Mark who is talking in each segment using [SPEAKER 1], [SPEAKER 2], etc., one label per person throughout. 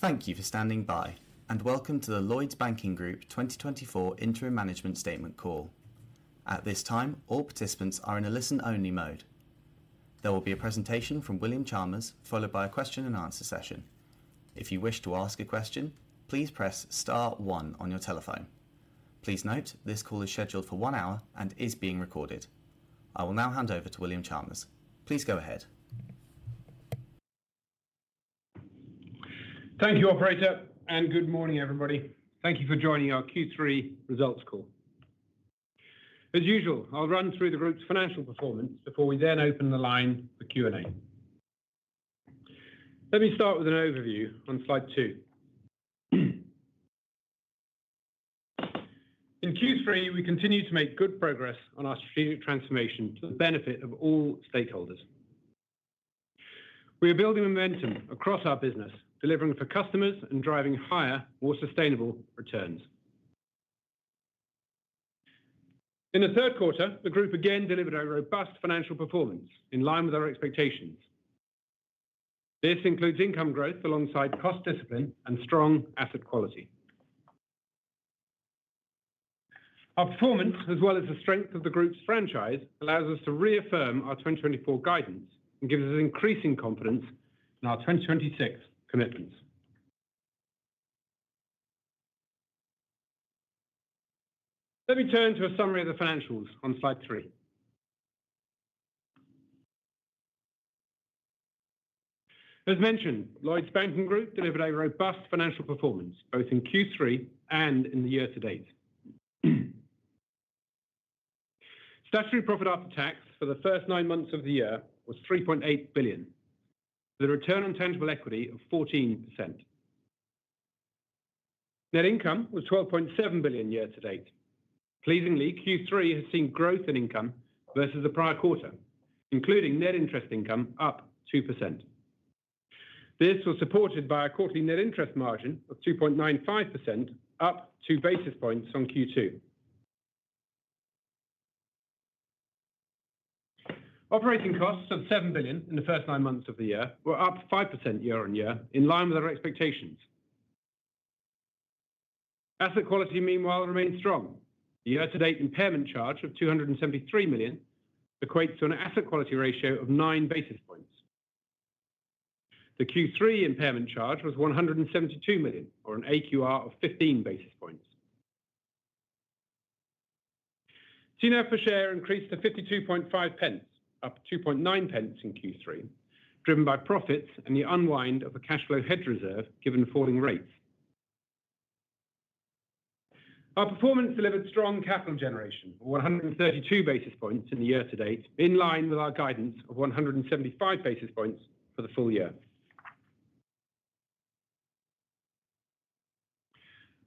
[SPEAKER 1] Thank you for standing by, and welcome to the Lloyds Banking Group 2024 Interim Management Statement Call. At this time, all participants are in a listen-only mode. There will be a presentation from William Chalmers, followed by a question and answer session. If you wish to ask a question, please press star one on your telephone. Please note, this call is scheduled for one hour and is being recorded. I will now hand over to William Chalmers. Please go ahead.
[SPEAKER 2] Thank you, operator, and good morning, everybody. Thank you for joining our third quarter results call. As usual, I'll run through the group's financial performance before we then open the line for Q&A. Let me start with an overview on slide two. In third quarter, we continued to make good progress on our strategic transformation to the benefit of all stakeholders. We are building momentum across our business, delivering for customers and driving higher, more sustainable returns. In the third quarter, the group again delivered a robust financial performance in line with our expectations. This includes income growth alongside cost discipline and strong asset quality. Our performance, as well as the strength of the group's franchise, allows us to reaffirm our 2024 guidance and gives us increasing confidence in our 2026 commitments. Let me turn to a summary of the financials on slide three. As mentioned, Lloyds Banking Group delivered a robust financial performance, both in third quarter and in the year to date. Statutory profit after tax for the first nine months of the year was 3.8 billion, with a return on tangible equity of 14%. Net income was 12.7 billion year to date. Pleasingly, third quarter has seen growth in income versus the prior quarter, including net interest income up 2%. This was supported by a quarterly net interest margin of 2.95%, up 2 basis points on second quarter. Operating costs of 7 billion in the first nine months of the year were up 5% year on year, in line with our expectations. Asset quality, meanwhile, remains strong. The year-to-date impairment charge of 273 million equates to an asset quality ratio of 9 basis points. The third quarter impairment charge was 172 million, or an AQR of 15 basis points. TNAV per share increased to 52.5 pence, up 2.9 pence in third quarter, driven by profits and the unwind of a cash flow hedge reserve, given falling rates. Our performance delivered strong capital generation of 132 basis points in the year to date, in line with our guidance of 175 basis points for the full year.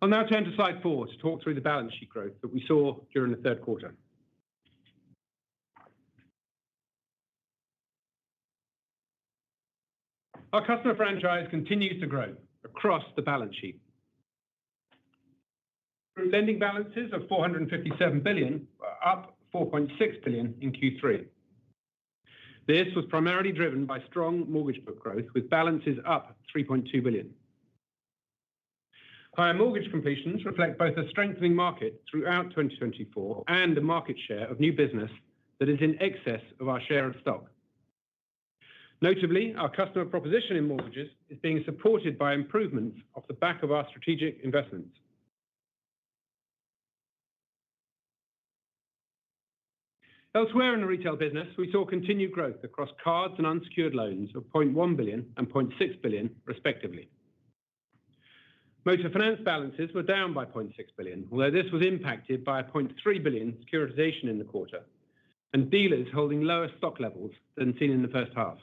[SPEAKER 2] I'll now turn to slide four to talk through the balance sheet growth that we saw during the third quarter. Our customer franchise continues to grow across the balance sheet. Total lending balances of 457 billion, up 4.6 billion in third quarter. This was primarily driven by strong mortgage book growth, with balances up 3.2 billion. Higher mortgage completions reflect both a strengthening market throughout 2024 and a market share of new business that is in excess of our share of stock. Notably, our customer proposition in mortgages is being supported by improvements off the back of our strategic investments. Elsewhere in the retail business, we saw continued growth across cards and unsecured loans of 0.1 billion and 0.6 billion, respectively. Motor finance balances were down by 0.6 billion, although this was impacted by a 0.3 billion securitization in the quarter, and dealers holding lower stock levels than seen in the first half.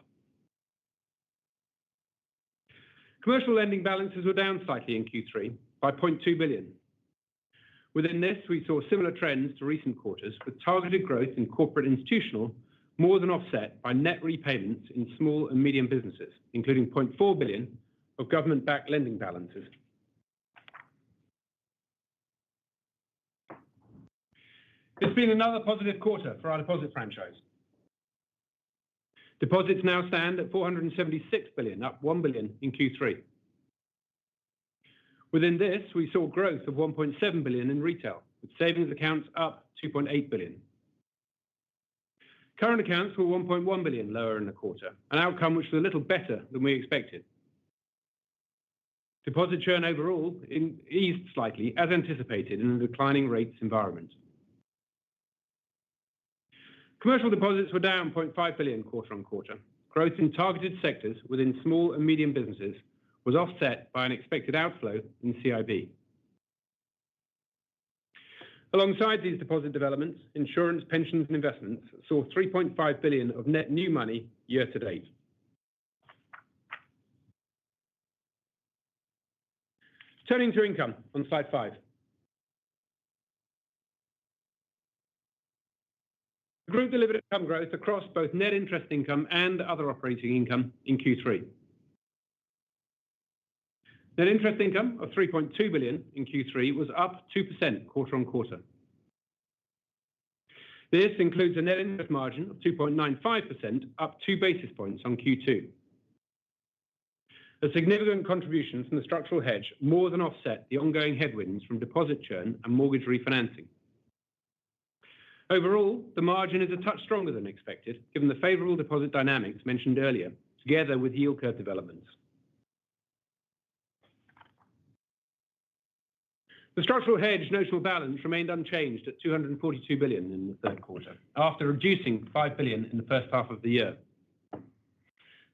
[SPEAKER 2] Commercial lending balances were down slightly in third quarter by 0.2 billion. Within this, we saw similar trends to recent quarters, with targeted growth in corporate institutional more than offset by net repayments in small and medium businesses, including 0.4 billion of government-backed lending balances. It's been another positive quarter for our deposit franchise. Deposits now stand at 476 billion, up 1 billion in third quarter. Within this, we saw growth of 1.7 billion in retail, with savings accounts up 2.8 billion. Current accounts were 1.1 billion lower in the quarter, an outcome which was a little better than we expected. Deposit churn overall eased slightly, as anticipated, in a declining rates environment. Commercial deposits were down 0.5 billion quarter on quarter. Growth in targeted sectors within small and medium businesses was offset by an expected outflow in CIB. Alongside these deposit developments, insurance, pensions, and investments saw 3.5 billion of net new money year to date. Turning to income on slide five. The group delivered income growth across both net interest income and other operating income in third quarter. Net interest income of 3.2 billion in third quarter was up 2% quarter on quarter. This includes a net interest margin of 2.95%, up two basis points on second quarter. The significant contributions from the structural hedge more than offset the ongoing headwinds from deposit churn and mortgage refinancing. Overall, the margin is a touch stronger than expected, given the favorable deposit dynamics mentioned earlier, together with yield curve developments. The structural hedge notional balance remained unchanged at GBP 242 billion in the third quarter, after reducing GBP 5 billion in the first half of the year.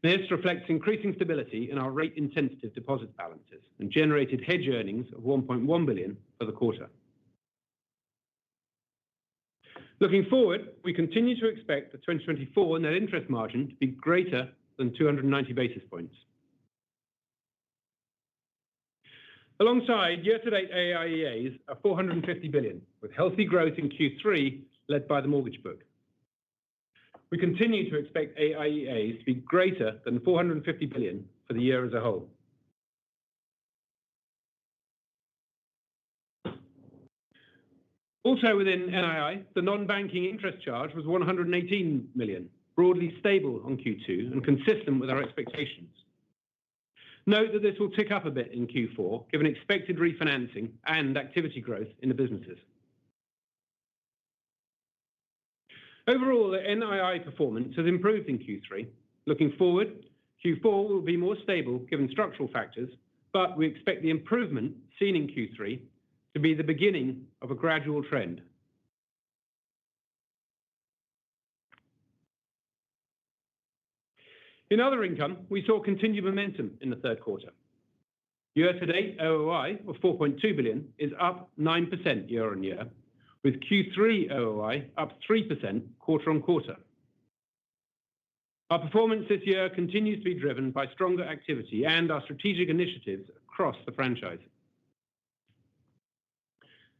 [SPEAKER 2] This reflects increasing stability in our rate-intensive deposit balances and generated hedge earnings of 1.1 billion for the quarter. Looking forward, we continue to expect the 2024 net interest margin to be greater than 290 basis points. Alongside year-to-date AIEAs are 450 billion, with healthy growth in third quarter, led by the mortgage book. We continue to expect AIEAs to be greater than 450 billion for the year as a whole. Also within NII, the non-banking interest charge was 118 million, broadly stable on second quarter and consistent with our expectations. Note that this will tick up a bit in fourth quarter, given expected refinancing and activity growth in the businesses. Overall, the NII performance has improved in third quarter. Looking forward, fourth quarter will be more stable, given structural factors, but we expect the improvement seen in third quarter to be the beginning of a gradual trend. In other income, we saw continued momentum in the third quarter. Year-to-date OOI of 4.2 billion is up 9% year-on-year, with third quarter OOI up 3% quarter on quarter. Our performance this year continues to be driven by stronger activity and our strategic initiatives across the franchise.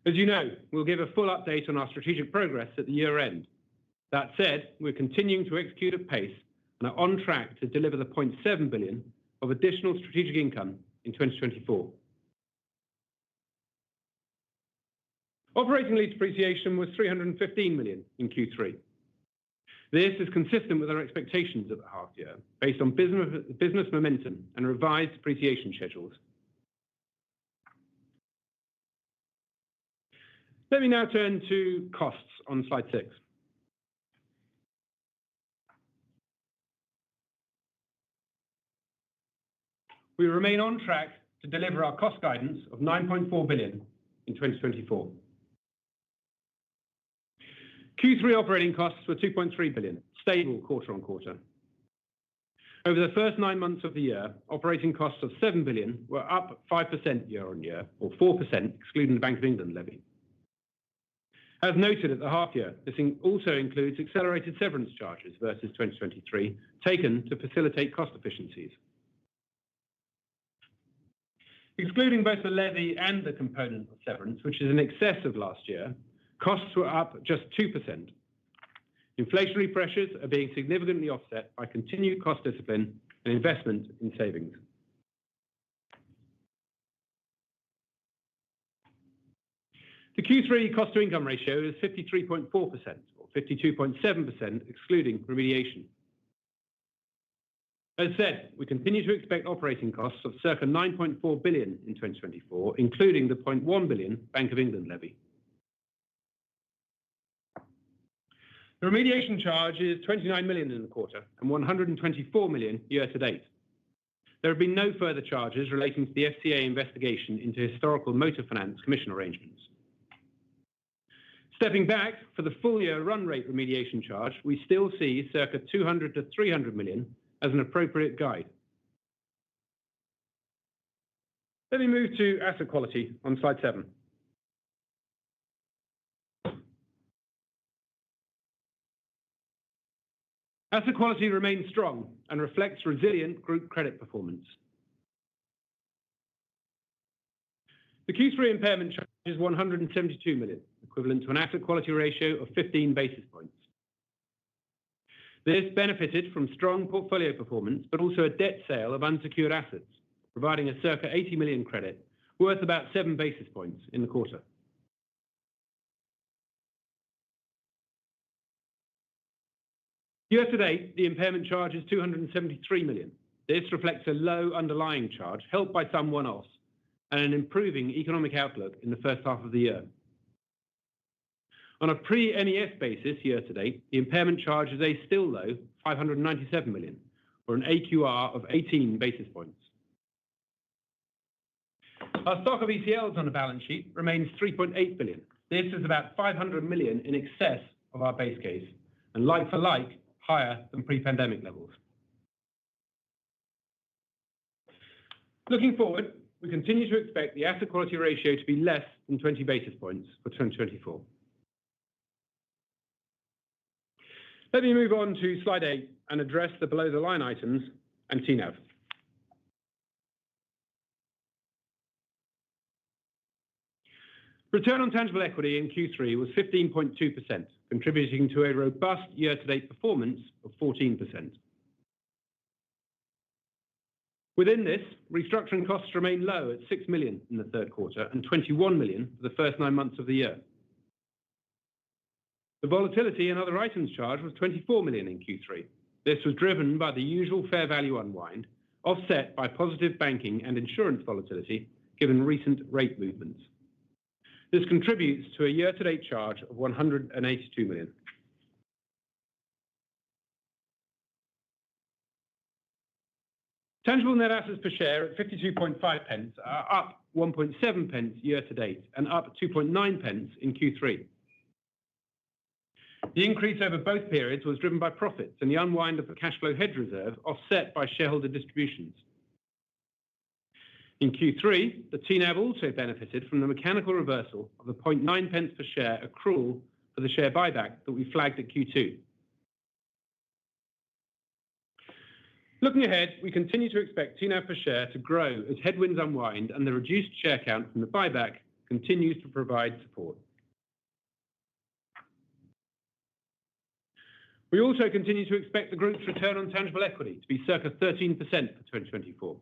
[SPEAKER 2] As you know, we'll give a full update on our strategic progress at the year-end. That said, we're continuing to execute at pace and are on track to deliver 0.7 billion of additional strategic income in 2024. Operating lease depreciation was 315 million in third quarter. This is consistent with our expectations at the half year, based on business momentum and revised depreciation schedules. Let me now turn to costs on slide 6. We remain on track to deliver our cost guidance of 9.4 billion in 2024. third quarter operating costs were 2.3 billion, stable quarter on quarter. Over the first nine months of the year, operating costs of 7 billion were up 5% year-on-year, or 4%, excluding the Bank of England levy. As noted at the half year, this also includes accelerated severance charges versus 2023, taken to facilitate cost efficiencies. Excluding both the levy and the component of severance, which is in excess of last year, costs were up just 2%. Inflationary pressures are being significantly offset by continued cost discipline and investment in savings. The third quarter cost-to-income ratio is 53.4%, or 52.7%, excluding remediation. As said, we continue to expect operating costs of circa 9.4 billion in 2024, including the 0.1 billion Bank of England levy. The remediation charge is 29 million in the quarter and 124 million year to date. There have been no further charges relating to the FCA investigation into historical motor finance commission arrangements. Stepping back for the full year run rate remediation charge, we still see circa 200-300 million as an appropriate guide. Let me move to asset quality on slide seven. Asset quality remains strong and reflects resilient group credit performance. The third quarter impairment charge is 172 million, equivalent to an asset quality ratio of 15 basis points. This benefited from strong portfolio performance, but also a debt sale of unsecured assets, providing a circa 80 million credit, worth about seven basis points in the quarter. Year to date, the impairment charge is 273 million. This reflects a low underlying charge, helped by some one-offs and an improving economic outlook in the first half of the year. On a pre-MES basis, year to date, the impairment charge is a still low 597 million, or an AQR of 18 basis points. Our stock of ECLs on the balance sheet remains 3.8 billion. This is about 500 million in excess of our base case, and like for like, higher than pre-pandemic levels. Looking forward, we continue to expect the asset quality ratio to be less than 20 basis points for 2024. Let me move on to slide 8 and address the below-the-line items and TNAV. Return on tangible equity in third quarter was 15.2%, contributing to a robust year-to-date performance of 14%. Within this, restructuring costs remain low at 6 million in the third quarter, and 21 million for the first nine months of the year. The volatility and other items charged was 24 million in third quarter. This was driven by the usual fair value unwind, offset by positive banking and insurance volatility, given recent rate movements. This contributes to a year-to-date charge of 182 million. Tangible net assets per share at 0.525 are up 0.017 year to date, and up 0.029 in third quarter. The increase over both periods was driven by profits and the unwind of the cash flow hedge reserve, offset by shareholder distributions. In third quarter, the TNAV also benefited from the mechanical reversal of a 0.009 per share accrual for the share buyback that we flagged at second quarter. Looking ahead, we continue to expect TNAV per share to grow as headwinds unwind and the reduced share count from the buyback continues to provide support. We also continue to expect the group's return on tangible equity to be circa 13% for 2024.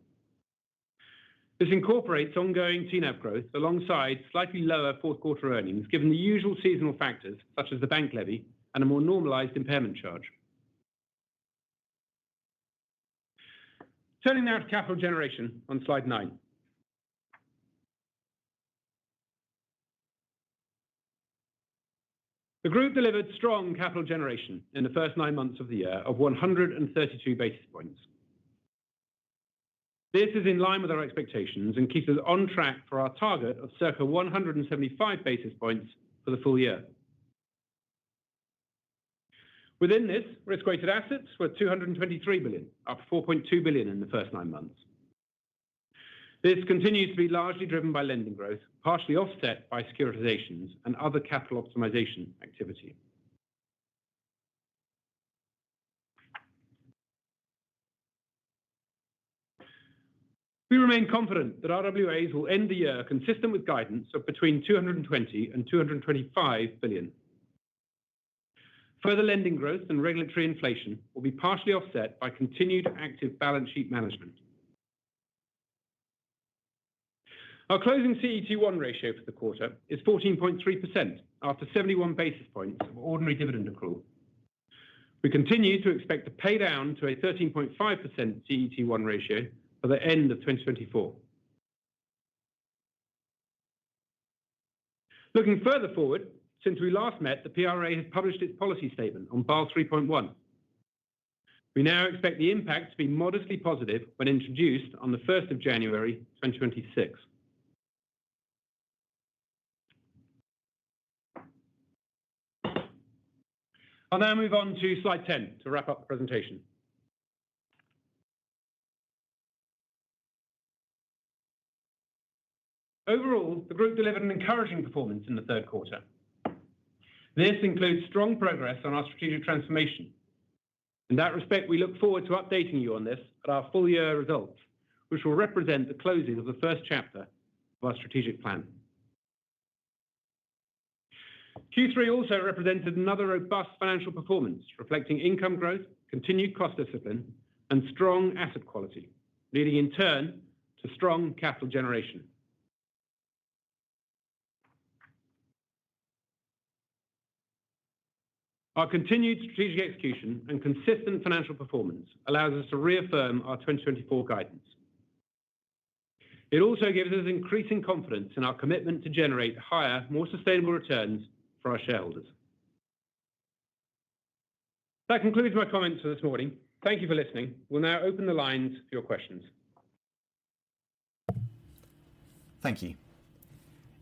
[SPEAKER 2] This incorporates ongoing TNAV growth, alongside slightly lower fourth quarter earnings, given the usual seasonal factors such as the bank levy and a more normalized impairment charge. Turning now to capital generation on slide nine. The group delivered strong capital generation in the first nine months of the year of 132 basis points. This is in line with our expectations and keeps us on track for our target of circa 175 basis points for the full year. Within this, risk-weighted assets were 223 billion, up 4.2 billion in the first nine months. This continues to be largely driven by lending growth, partially offset by securitizations and other capital optimization activity. We remain confident that RWAs will end the year consistent with guidance of between 220 and 225 billion. Further lending growth and regulatory inflation will be partially offset by continued active balance sheet management. Our closing CET1 ratio for the quarter is 14.3%, after 71 basis points of ordinary dividend accrual. We continue to expect to pay down to a 13.5% CET1 ratio by the end of 2024. Looking further forward, since we last met, the PRA has published its policy statement on Basel 3.1. We now expect the impact to be modestly positive when introduced on the first of January, 2026. I'll now move on to slide 10 to wrap up the presentation. Overall, the group delivered an encouraging performance in the third quarter. This includes strong progress on our strategic transformation. In that respect, we look forward to updating you on this at our full year results, which will represent the closing of the first chapter of our strategic plan. Third quarter also represented another robust financial performance, reflecting income growth, continued cost discipline, and strong asset quality, leading in turn to strong capital generation. Our continued strategic execution and consistent financial performance allows us to reaffirm our 2024 guidance. It also gives us increasing confidence in our commitment to generate higher, more sustainable returns for our shareholders. That concludes my comments for this morning. Thank you for listening. We'll now open the lines for your questions.
[SPEAKER 1] Thank you.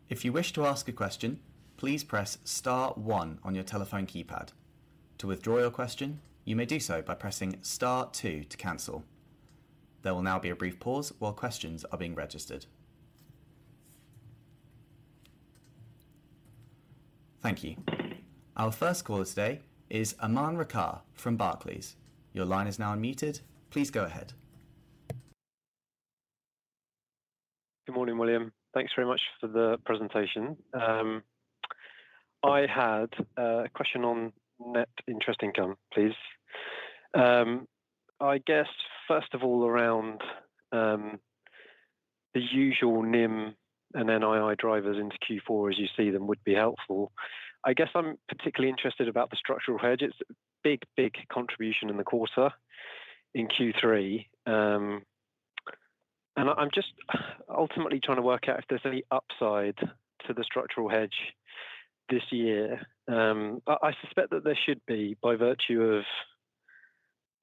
[SPEAKER 1] If you wish to ask a question, please press star one on your telephone keypad. To withdraw your question, you may do so by pressing star two to cancel. There will now be a brief pause while questions are being registered. Thank you. Our first caller today is Aman Rakkar from Barclays. Your line is now unmuted. Please go ahead.
[SPEAKER 3] Good morning, William. Thanks very much for the presentation. I had a question on net interest income, please. I guess, first of all, around the usual NIM and NII drivers into fourth quarter, as you see them, would be helpful. I guess I'm particularly interested about the structural hedge. It's a big, big contribution in the quarter in third quarter, and I'm just ultimately trying to work out if there's any upside to the structural hedge this year, but I suspect that there should be by virtue of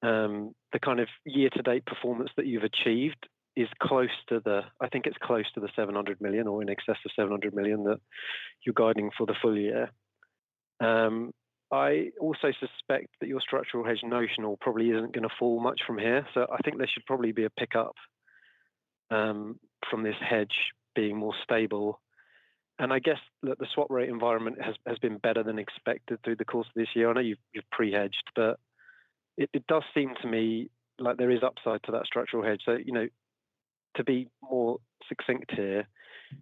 [SPEAKER 3] the kind of year-to-date performance that you've achieved is close to the, I think it's close to the seven hundred million or in excess of seven hundred million that you're guiding for the full year. I also suspect that your structural hedge notional probably isn't gonna fall much from here, so I think there should probably be a pickup from this hedge being more stable, and I guess that the swap rate environment has been better than expected through the course of this year. I know you've pre-hedged, but it does seem to me like there is upside to that structural hedge, so, to be more succinct here,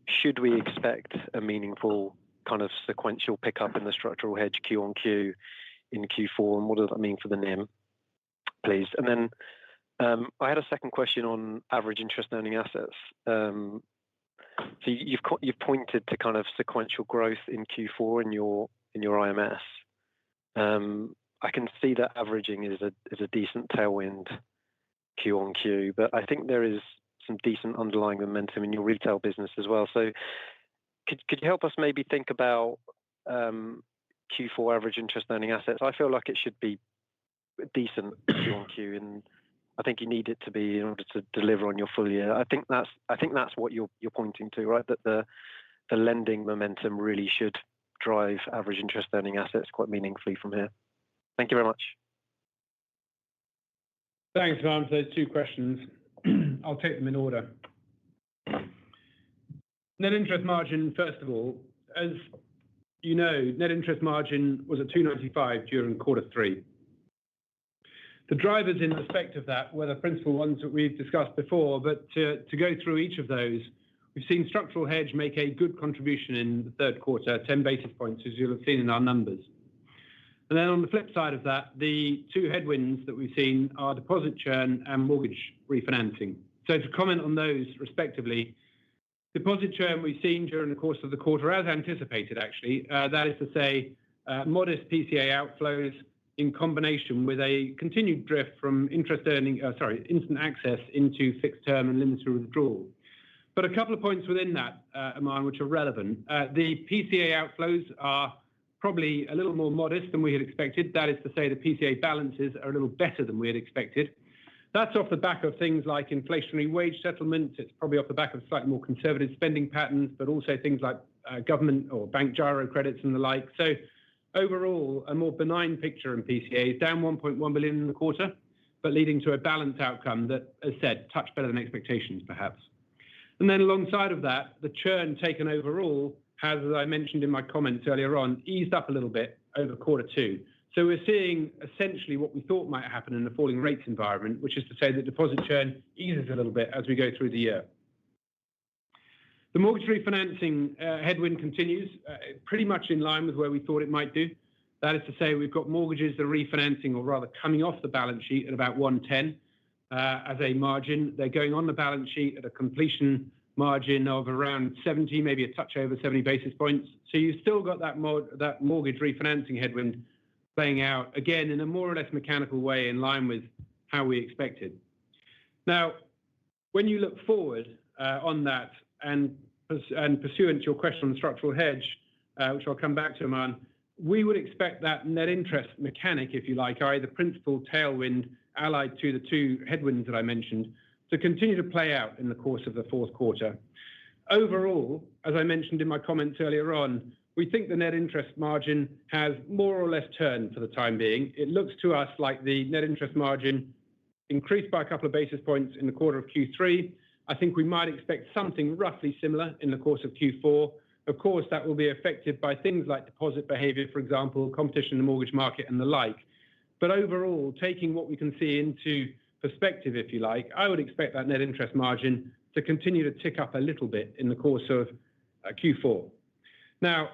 [SPEAKER 3] should we expect a meaningful kind of sequential pickup in the structural hedge Quarter-on-Quarter in fourth quarter, and what does that mean for the NIM, please, and then I had a second question on average interest-earning assets, so you've pointed to kind of sequential growth in fourth quarter in your IMS. I can see that averaging is a decent tailwind Quarter-on-Quarter, but I think there is some decent underlying momentum in your retail business as well. So could you help us maybe think about fourth quarter average interest-earning assets? I feel like it should be decent Quarter-on-Quarter, and I think you need it to be in order to deliver on your full year. I think that's what you're pointing to, right? That the lending momentum really should drive average interest-earning assets quite meaningfully from here. Thank you very much.
[SPEAKER 2] Thanks, Aman, for those two questions. I'll take them in order. Net interest margin, first of all, as you know, net interest margin was at two ninety-five during quarter three. The drivers in respect of that were the principal ones that we've discussed before, but to go through each of those, we've seen structural hedge make a good contribution in the third quarter, ten basis points, as you'll have seen in our numbers. And then on the flip side of that, the two headwinds that we've seen are deposit churn and mortgage refinancing. So to comment on those respectively, deposit churn we've seen during the course of the quarter, as anticipated, actually, that is to say, modest PCA outflows in combination with a continued drift from instant access into fixed term and limited withdrawal. But a couple of points within that, Aman, which are relevant. The PCA outflows are probably a little more modest than we had expected. That is to say, the PCA balances are a little better than we had expected. That's off the back of things like inflationary wage settlements. It's probably off the back of slightly more conservative spending patterns, but also things like, government or bank giro credits and the like. So overall, a more benign picture in PCA, down 1.1 billion in the quarter, but leading to a balanced outcome that, as said, touch better than expectations, perhaps. And then alongside of that, the churn taken overall has, as I mentioned in my comments earlier on, eased up a little bit over second quarter. So we're seeing essentially what we thought might happen in a falling rates environment, which is to say the deposit churn eases a little bit as we go through the year. The mortgage refinancing headwind continues pretty much in line with where we thought it might do. That is to say, we've got mortgages that are refinancing or rather coming off the balance sheet at about 110 as a margin. They're going on the balance sheet at a competition margin of around 70, maybe a touch over 70 basis points. So you've still got that mortgage refinancing headwind playing out, again, in a more or less mechanical way, in line with how we expected. Now, when you look forward, on that, and pursuant to your question on the structural hedge, which I'll come back to, Aman, we would expect that net interest mechanic, if you like, i.e., the principal tailwind allied to the two headwinds that I mentioned, to continue to play out in the course of the fourth quarter. Overall, as I mentioned in my comments earlier on, we think the net interest margin has more or less turned for the time being. It looks to us like the net interest margin increased by a couple of basis points in the quarter of third quarter. I think we might expect something roughly similar in the course of fourth quarter. Of course, that will be affected by things like deposit behavior, for example, competition in the mortgage market, and the like. But overall, taking what we can see into perspective, if you like, I would expect that net interest margin to continue to tick up a little bit in the course of fourth quarter. Now,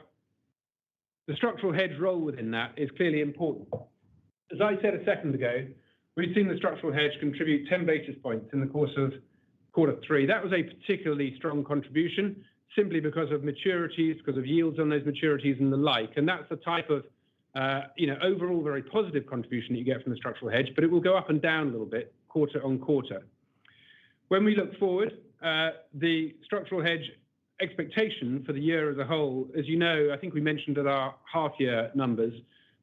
[SPEAKER 2] the structural hedge role within that is clearly important. As I said a second ago, we've seen the structural hedge contribute ten basis points in the course of third quarter. That was a particularly strong contribution, simply because of maturities, because of yields on those maturities, and the like. And that's the type of, you know, overall, very positive contribution you get from the structural hedge, but it will go up and down a little bit, Quarter-on- Quarter. When we look forward, the structural hedge expectation for the year as a whole, as you know, I think we mentioned at our half-year numbers,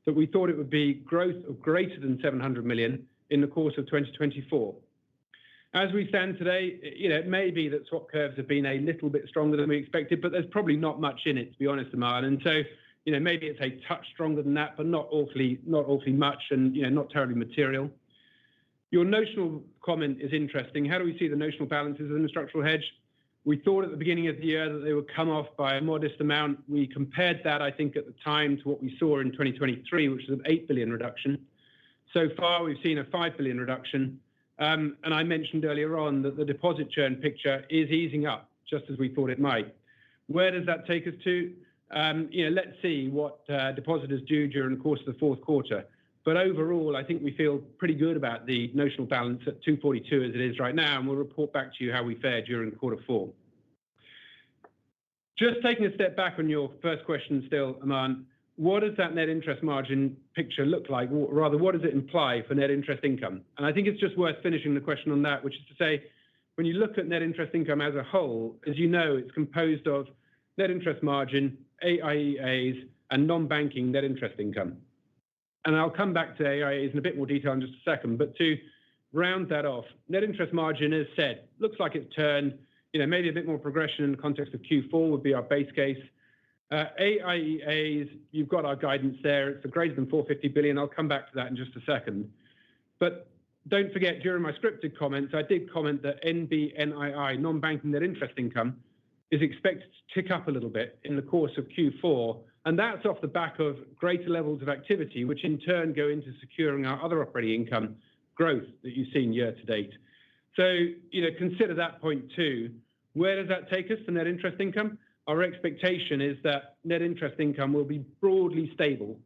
[SPEAKER 2] that we thought it would be growth of greater than 700 million in the course of 2024. As we stand today, you know, it may be that swap curves have been a little bit stronger than we expected, but there's probably not much in it, to be honest, Aman. And so, you know, maybe it's a touch stronger than that, but not awfully, not awfully much and, you know, not terribly material. Your notional comment is interesting. How do we see the notional balances in the structural hedge? We thought at the beginning of the year that they would come off by a modest amount. We compared that, I think at the time, to what we saw in 2023, which was a 8 billion reduction. So far, we've seen a 5 billion reduction. And I mentioned earlier on that the deposit churn picture is easing up, just as we thought it might. Where does that take us to? You know, let's see what depositors do during the course of the fourth quarter. But overall, I think we feel pretty good about the notional balance at 242 billion, as it is right now, and we'll report back to you how we fared during quarter four. Just taking a step back on your first question still, Aman, what does that net interest margin picture look like? Or rather, what does it imply for net interest income? I think it's just worth finishing the question on that, which is to say, when you look at net interest income as a whole, as you know, it's composed of net interest margin, AIEAs, and non-banking net interest income. I'll come back to AIEAs in a bit more detail in just a second, but to round that off, net interest margin is set. Looks like it turned, you know, maybe a bit more progression in the context of fourth quarter would be our base case. AIEAs, you've got our guidance there. It's greater than 450 billion. I'll come back to that in just a second. But don't forget, during my scripted comments, I did comment that NBNII, non-banking net interest income is expected to tick up a little bit in the course of fourth quarter, and that's off the back of greater levels of activity, which in turn go into securing our other operating income growth that you've seen year to date. So, you know, consider that point, too. Where does that take us to net interest income? Our expectation is that net interest income will be broadly stable,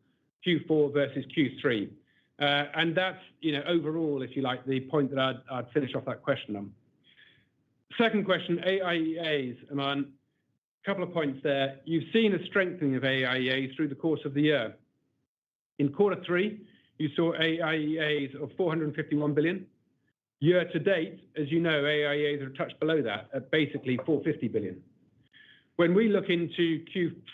[SPEAKER 2] fourth quarter versus third quarter. And that's, you know, overall, if you like, the point that I'd finish off that question on. Second question, AIEAs, Aman. Couple of points there. You've seen a strengthening of AIEA through the course of the year. In third quarter, you saw AIEAs of 455 billion. Year to date, as you know, AIEAs are a touch below that, at basically 450 billion. When we look into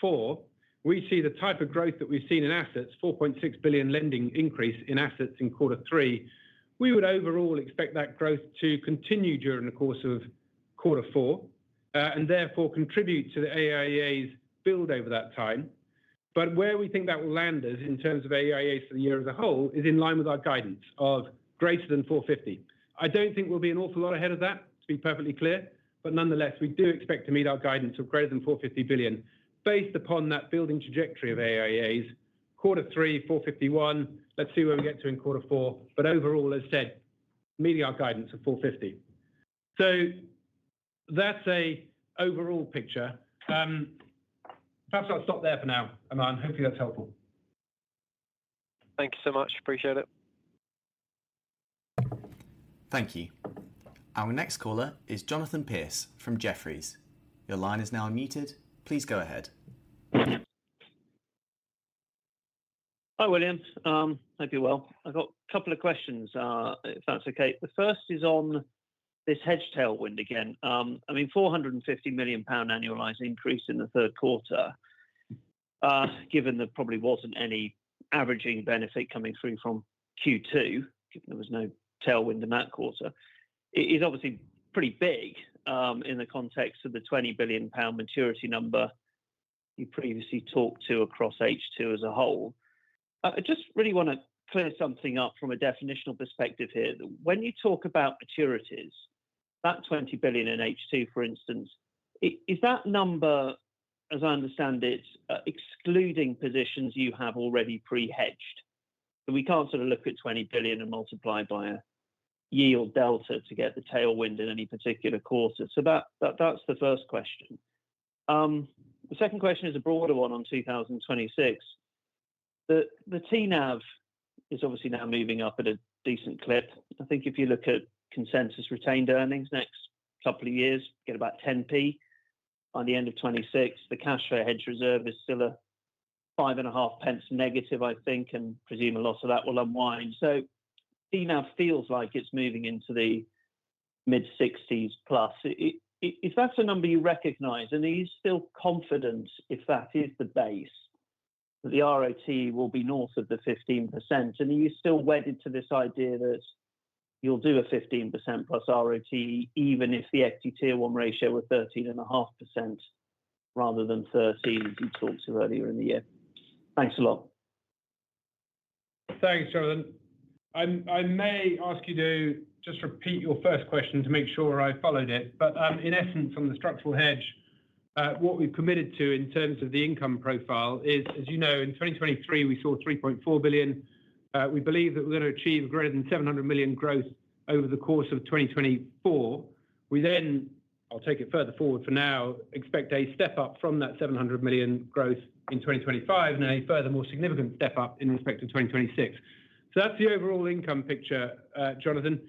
[SPEAKER 2] fourth quarter, we see the type of growth that we've seen in assets, 4.6 billion lending increase in assets in quarter three. We would overall expect that growth to continue during the course of quarter four, and therefore contribute to the AIEAs build over that time. But where we think that will land us in terms of AIEAs for the year as a whole is in line with our guidance of greater than 450 billion. I don't think we'll be an awful lot ahead of that, to be perfectly clear, but nonetheless, we do expect to meet our guidance of greater than 450 billion based upon that building trajectory of AIEAs, third quarter, 451. Let's see where we get to in quarter four. But overall, as said, meeting our guidance of 450. So that's an overall picture. Perhaps I'll stop there for now, Aman. Hopefully, that's helpful.
[SPEAKER 3] Thank you so much. Appreciate it.
[SPEAKER 1] Thank you. Our next caller is Jonathan Pierce from Jefferies. Your line is now unmuted. Please go ahead.
[SPEAKER 4] Hi, William. Hope you're well. I've got a couple of questions, if that's okay. The first is on this hedge tailwind again. I mean, 450 million pound annualizing increase in the third quarter, given there probably wasn't any averaging benefit coming through from second quarter, given there was no tailwind in that quarter. It is obviously pretty big, in the context of the 20 billion pound maturity number you previously talked to across H2 as a whole. I just really want to clear something up from a definitional perspective here. When you talk about maturities, that 20 billion in H2, for instance, is that number, as I understand it, excluding positions you have already pre-hedged? So we can't sort of look at 20 billion and multiply by a yield delta to get the tailwind in any particular quarter. So that, that's the first question. The second question is a broader one on 2026. The TNAV is obviously now moving up at a decent clip. I think if you look at consensus retained earnings next couple of years, get about 10p. At the end of 2026, the cash flow hedge reserve is still a 5.5p negative, I think, and presume a lot of that will unwind. So TNAV feels like it's moving into the mid-sixties plus. If that's a number you recognize, and are you still confident, if that is the base, that the ROT will be north of the 15%? Are you still wedded to this idea that you'll do a 15% plus ROT, even if the CET1 ratio was 13.5% rather than 13% you talked about earlier in the year? Thanks a lot.
[SPEAKER 2] Thanks, Jonathan. I may ask you to just repeat your first question to make sure I followed it. But, in essence, on the structural hedge, what we've committed to in terms of the income profile is, as you know, in 2023, we saw 3.4 billion. We believe that we're going to achieve greater than 700 million growth over the course of 2024. We then, I'll take it further forward for now, expect a step up from that 700 million growth in 2025, and a further more significant step up in respect to 2026. So that's the overall income picture, Jonathan.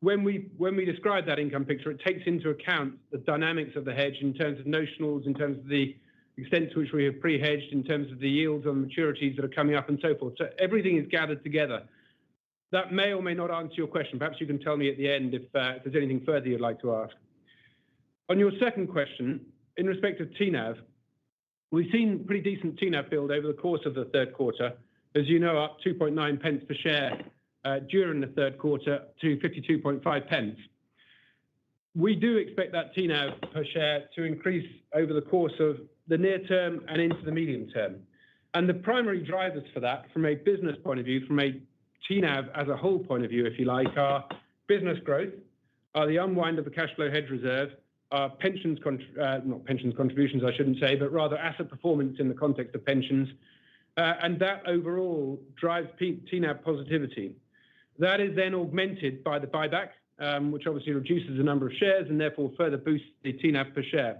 [SPEAKER 2] When we describe that income picture, it takes into account the dynamics of the hedge in terms of notionals, in terms of the extent to which we have pre-hedged, in terms of the yields on maturities that are coming up and so forth. So everything is gathered together. That may or may not answer your question. Perhaps you can tell me at the end if there's anything further you'd like to ask. On your second question, in respect to TNAV, we've seen pretty decent TNAV build over the course of the third quarter. As you know, up 0.029 per share during the third quarter to 0.525. We do expect that TNAV per share to increase over the course of the near term and into the medium term. And the primary drivers for that, from a business point of view, from a TNAV-as-a-whole point of view, if you like, are business growth, are the unwind of the cash flow hedge reserve, our pensions, not pensions contributions, I shouldn't say, but rather asset performance in the context of pensions. And that overall drives P- TNAV positivity. That is then augmented by the buyback, which obviously reduces the number of shares and therefore further boosts the TNAV per share.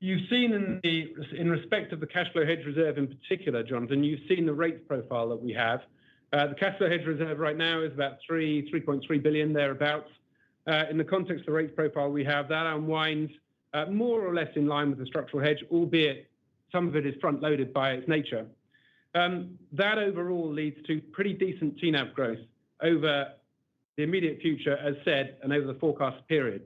[SPEAKER 2] You've seen in the, in respect of the cash flow hedge reserve, in particular, Jonathan, you've seen the rates profile that we have. The cash flow hedge reserve right now is about 3.3 billion, thereabout. In the context of rates profile we have, that unwinds, more or less in line with the structural hedge, albeit some of it is front-loaded by its nature. That overall leads to pretty decent TNAV growth over the immediate future, as said, and over the forecast period.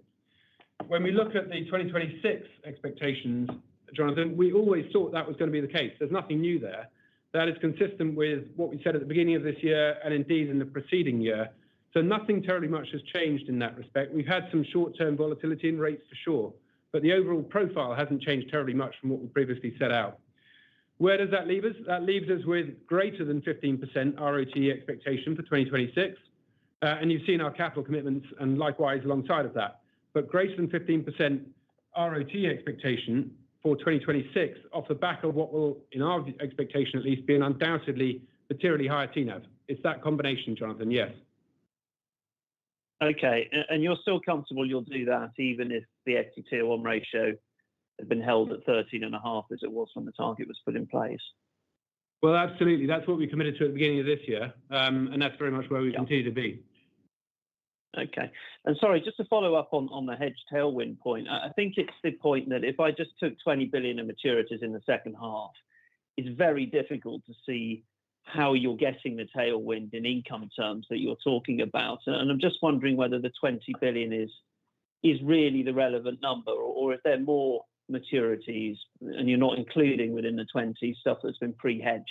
[SPEAKER 2] When we look at the 2026 expectations, Jonathan, we always thought that was going to be the case. There's nothing new there. That is consistent with what we said at the beginning of this year and indeed in the preceding year. So nothing terribly much has changed in that respect. We've had some short-term volatility in rates, for sure, but the overall profile hasn't changed terribly much from what we previously set out. Where does that leave us? That leaves us with greater than 15% ROT expectation for 2026. And you've seen our capital commitments and likewise alongside of that. But greater than 15% ROT expectation for 2026 off the back of what will, in our expectation at least, be an undoubtedly materially higher TNAV. It's that combination, Jonathan, yes.
[SPEAKER 4] Okay, and you're still comfortable you'll do that even if the equity tier one ratio had been held at 13.5, as it was when the target was put in place?
[SPEAKER 2] Absolutely. That's what we committed to at the beginning of this year, and that's very much where we continue to be.
[SPEAKER 4] Okay and sorry, just to follow up on the hedge tailwind point. I think it's the point that if I just took 20 billion in maturities in the second half, it's very difficult to see how you're getting the tailwind in income terms that you're talking about. And I'm just wondering whether the 20 billion is really the relevant number, or if there are more maturities and you're not including within the 20 billion stuff that's been pre-hedged.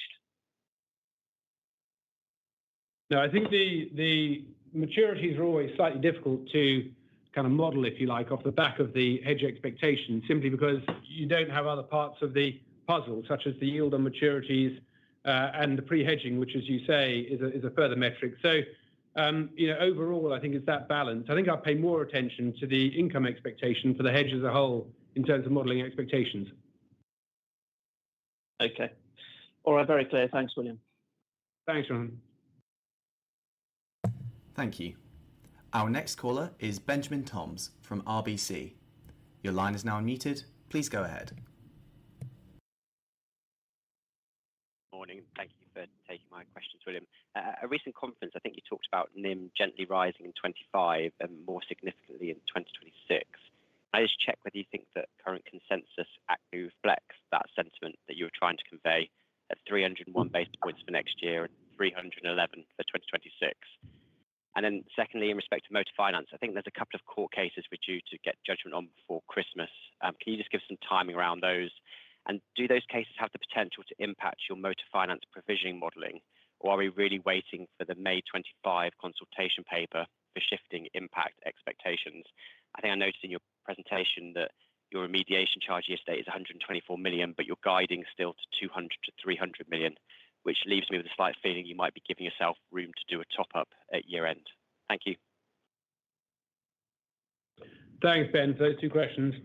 [SPEAKER 2] No, I think the maturities are always slightly difficult to kind of model, if you like, off the back of the hedge expectation, simply because you don't have other parts of the puzzle, such as the yield on maturities, and the pre-hedging, which, as you say, is a further metric, so you know, overall, I think it's that balance. I think I'd pay more attention to the income expectation for the hedge as a whole in terms of modeling expectations.
[SPEAKER 4] Okay. All right, very clear. Thanks, William.
[SPEAKER 2] Thanks, Jonathan.
[SPEAKER 1] Thank you. Our next caller is Benjamin Toms from RBC. Your line is now unmuted. Please go ahead.
[SPEAKER 5] Morning. Thank you for taking my questions, William. A recent conference, I think you talked about NIM gently rising in 2025 and more significantly in 2026. Can I just check whether you think the current consensus actually reflects that sentiment that you were trying to convey at 301 basis points for next year and 311 basis points for 2026? And then secondly, in respect to motor finance, I think there's a couple of court cases we're due to get judgment on before Christmas. Can you just give some timing around those? And do those cases have the potential to impact your motor finance provisioning modeling, or are we really waiting for the May 2025 consultation paper for shifting impact expectations? I think I noticed in your presentation that your remediation charge year-to-date is 124 million, but you're guiding still to 200-300 million, which leaves me with a slight feeling you might be giving yourself room to do a top-up at year-end. Thank you.
[SPEAKER 2] Thanks, Ben, for those two questions.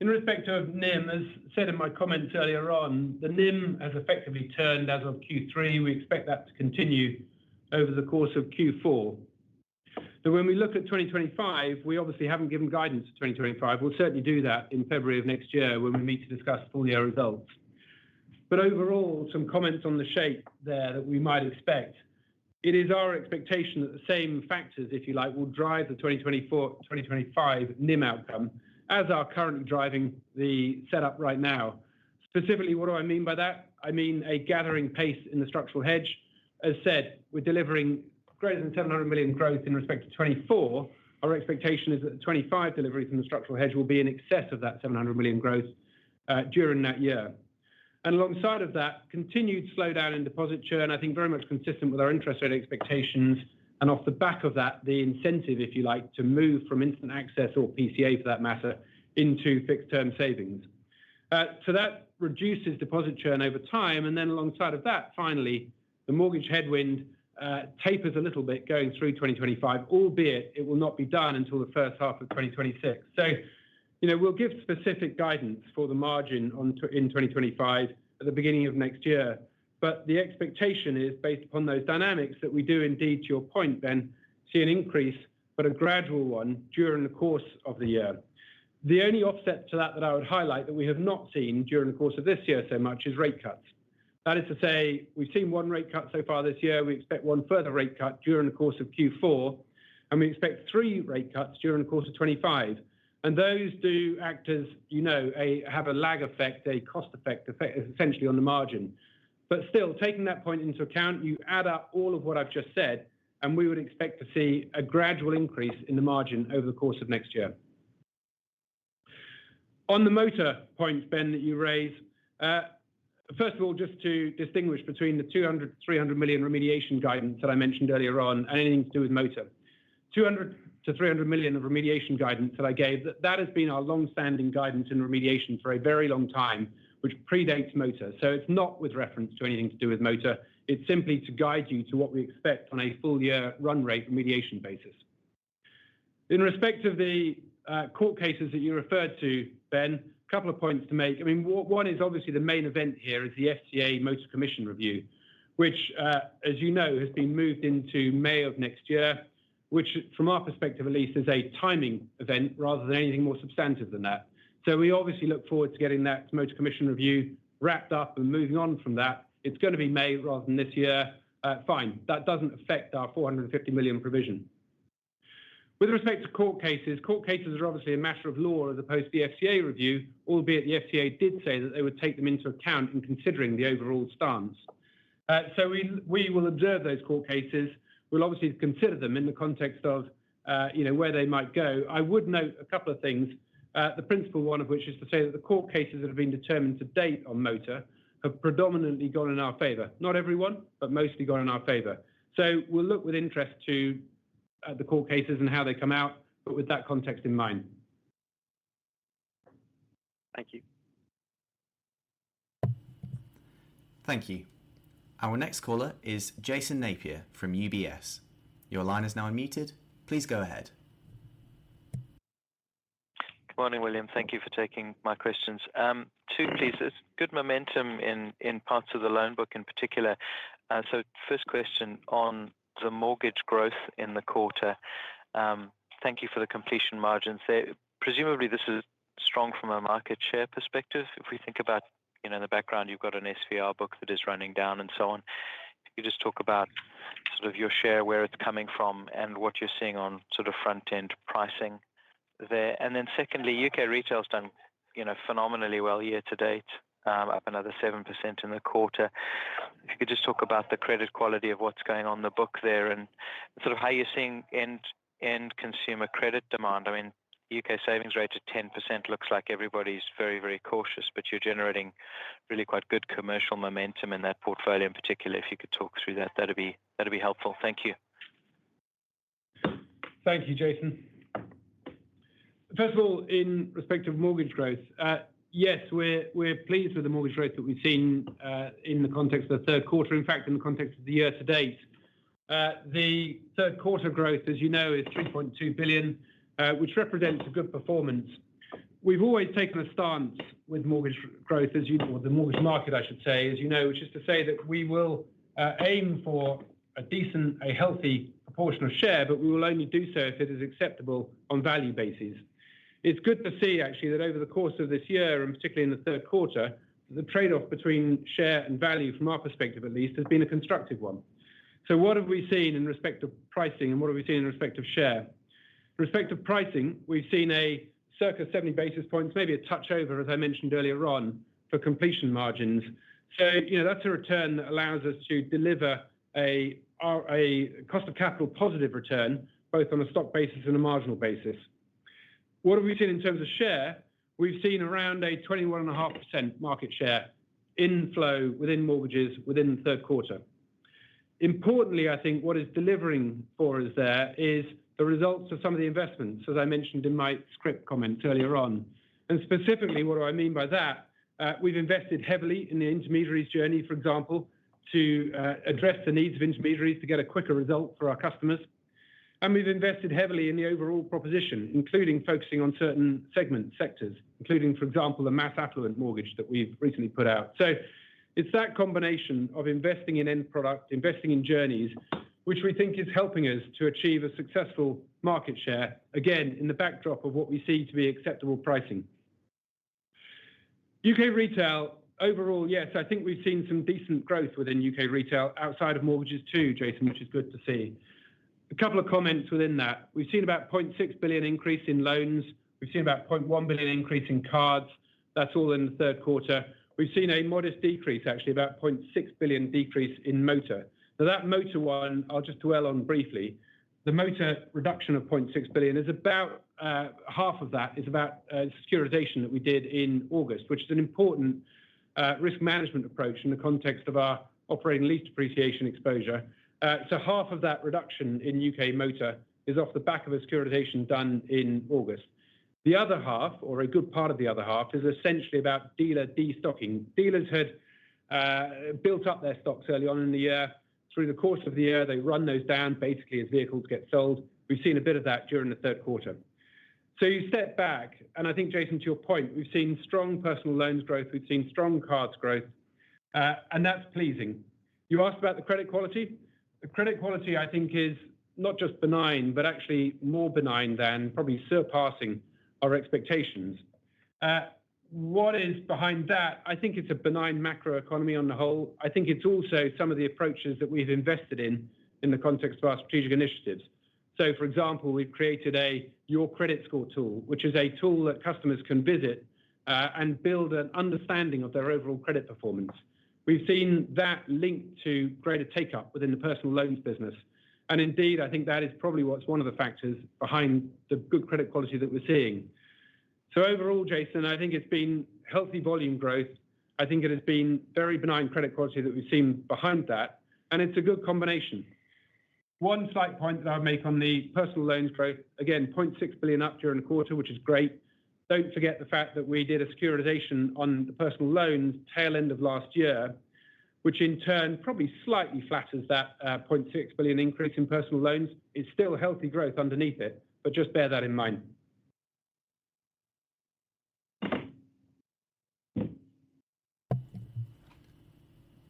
[SPEAKER 2] In respect of NIM, as said in my comments earlier on, the NIM has effectively turned as of third quarter. We expect that to continue over the course of fourth quarter. So when we look at 2025, we obviously haven't given guidance for 2025. We'll certainly do that in February of next year when we meet to discuss full year results. But overall, some comments on the shape there that we might expect. It is our expectation that the same factors, if you like, will drive the 2024 and 2025 NIM outcome, as are currently driving the setup right now. Specifically, what do I mean by that? I mean, a gathering pace in the structural hedge. As said, we're delivering greater than 700 million growth in respect to 2024. Our expectation is that 25 deliveries from the structural hedge will be in excess of that 700 million growth during that year. And alongside of that, continued slowdown in deposit churn, I think very much consistent with our interest rate expectations, and off the back of that, the incentive, if you like, to move from instant access or PCA, for that matter, into fixed-term savings. So that reduces deposit churn over time, and then alongside of that, finally, the mortgage headwind tapers a little bit going through 2025, albeit it will not be done until the first half of 2026. You know, we'll give specific guidance for the margin on in 2025 at the beginning of next year. But the expectation is, based upon those dynamics, that we do indeed, to your point, Ben, see an increase, but a gradual one, during the course of the year. The only offset to that, that I would highlight, that we have not seen during the course of this year so much is rate cuts. That is to say, we've seen one rate cut so far this year. We expect one further rate cut during the course of fourth quarter, and we expect three rate cuts during the course of 2025 And those do act, as you know, have a lag effect, a cost effect, essentially, on the margin. But still, taking that point into account, you add up all of what I've just said, and we would expect to see a gradual increase in the margin over the course of next year. On the motor point, Ben, that you raised, first of all, just to distinguish between the 200-300 million remediation guidance that I mentioned earlier on, anything to do with motor. 200-300 million of remediation guidance that I gave, that has been our longstanding guidance in remediation for a very long time, which predates motor. So it's not with reference to anything to do with motor. It's simply to guide you to what we expect on a full-year run rate remediation basis. In respect of the court cases that you referred to, Ben, a couple of points to make. I mean, one is obviously the main event here is the FCA Motor Commission review, which, as you know, has been moved into May of next year, which from our perspective at least, is a timing event rather than anything more substantive than that. So we obviously look forward to getting that Motor Commission review wrapped up and moving on from that. It's going to be May rather than this year. Fine, that doesn't affect our 450 million provision. With respect to court cases, court cases are obviously a matter of law as opposed to the FCA review, albeit the FCA did say that they would take them into account in considering the overall stance. So we will observe those court cases. We'll obviously consider them in the context of, you know, where they might go. I would note a couple of things, the principal one of which is to say that the court cases that have been determined to date on motor have predominantly gone in our favor. Not every one, but mostly gone in our favor. So we'll look with interest to, the court cases and how they come out, but with that context in mind.
[SPEAKER 5] Thank you.
[SPEAKER 1] Thank you. Our next caller is Jason Napier from UBS. Your line is now unmuted. Please go ahead.
[SPEAKER 6] Good morning, William. Thank you for taking my questions. Two, please. There's good momentum in parts of the loan book in particular. So first question on the mortgage growth in the quarter. Thank you for the competition margins there. Presumably, this is strong from a market share perspective. If we think about, you know, in the background, you've got an SVR book that is running down and so on. Can you just talk about sort of your share, where it's coming from, and what you're seeing on sort of front-end pricing there? And then secondly, U.K. retail's done, you know, phenomenally well year to date, up another 7% in the quarter. If you could just talk about the credit quality of what's going on in the book there and sort of how you're seeing end-to-end consumer credit demand. I mean, U.K. savings rates at 10% looks like everybody's very, very cautious, but you're generating really quite good commercial momentum in that portfolio. In particular, if you could talk through that, that'd be, that'd be helpful. Thank you.
[SPEAKER 2] Thank you, Jason. First of all, in respect of mortgage growth, yes, we're pleased with the mortgage growth that we've seen in the context of the third quarter, in fact, in the context of the year to date. The third quarter growth, as you know, is 3.2 billion, which represents a good performance. We've always taken a stance with mortgage growth, as you know, or the mortgage market, I should say, as you know, which is to say that we will aim for a decent, a healthy proportional share, but we will only do so if it is acceptable on value basis. It's good to see, actually, that over the course of this year, and particularly in the third quarter, the trade-off between share and value, from our perspective at least, has been a constructive one. So what have we seen in respect to pricing, and what have we seen in respect to share? In respect to pricing, we've seen a circa seventy basis points, maybe a touch over, as I mentioned earlier on, for completion margins. So, you know, that's a return that allows us to deliver a cost of capital positive return, both on a stock basis and a marginal basis. What have we seen in terms of share? We've seen around a 21.5% market share in flow within mortgages within the third quarter. Importantly, I think what is delivering for us there is the results of some of the investments, as I mentioned in my script comments earlier on. And specifically, what do I mean by that? We've invested heavily in the intermediaries journey, for example, to address the needs of intermediaries to get a quicker result for our customers. And we've invested heavily in the overall proposition, including focusing on certain segments, sectors, including, for example, the mass affluent mortgage that we've recently put out. So it's that combination of investing in end product, investing in journeys, which we think is helping us to achieve a successful market share, again, in the backdrop of what we see to be acceptable pricing. U.K. retail, overall, yes, I think we've seen some decent growth within U.K. retail outside of mortgages, too, Jason, which is good to see. A couple of comments within that. We've seen about 0.6 billion increase in loans. We've seen about 0.1 billion increase in cards. That's all in the third quarter. We've seen a modest decrease, actually, about 0.6 billion decrease in motor. So that motor one, I'll just dwell on briefly. The motor reduction of 0.6 billion is about half of that is about securitization that we did in August, which is an important risk management approach in the context of our operating lease depreciation exposure. So half of that reduction in U.K. motor is off the back of a securitization done in August. The other half, or a good part of the other half, is essentially about dealer destocking. Dealers had built up their stocks early on in the year. Through the course of the year, they run those down, basically, as vehicles get sold. We've seen a bit of that during the third quarter. So you step back, and I think, Jason, to your point, we've seen strong personal loans growth, we've seen strong cards growth, and that's pleasing. You asked about the credit quality. The credit quality, I think, is not just benign, but actually more benign than probably surpassing our expectations. What is behind that? I think it's a benign macroeconomy on the whole. I think it's also some of the approaches that we've invested in, in the context of our strategic initiatives. So, for example, we've created a Your Credit Score tool, which is a tool that customers can visit, and build an understanding of their overall credit performance. We've seen that link to greater take-up within the personal loans business. And indeed, I think that is probably what's one of the factors behind the good credit quality that we're seeing. So overall, Jason, I think it's been healthy volume growth. I think it has been very benign credit quality that we've seen behind that, and it's a good combination. One slight point that I would make on the personal loans growth, again, 0.6 billion up during the quarter, which is great. Don't forget the fact that we did a securitization on the personal loans tail end of last year, which in turn probably slightly flatters that, 0.6 billion increase in personal loans. It's still healthy growth underneath it, but just bear that in mind.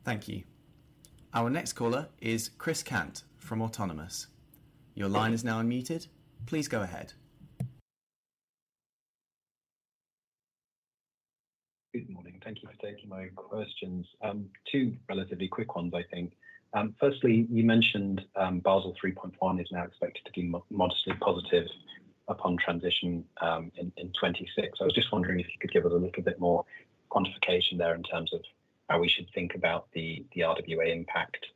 [SPEAKER 1] Thank you. Our next caller is Chris Cant from Autonomous. Your line is now unmuted. Please go ahead.
[SPEAKER 7] Good morning. Thank you for taking my questions. Two relatively quick ones, I think. Firstly, you mentioned, Basel 3.1 is now expected to be modestly positive upon transition, in 2026. I was just wondering if you could give us a little bit more quantification there in terms of how we should think about the RWA impact.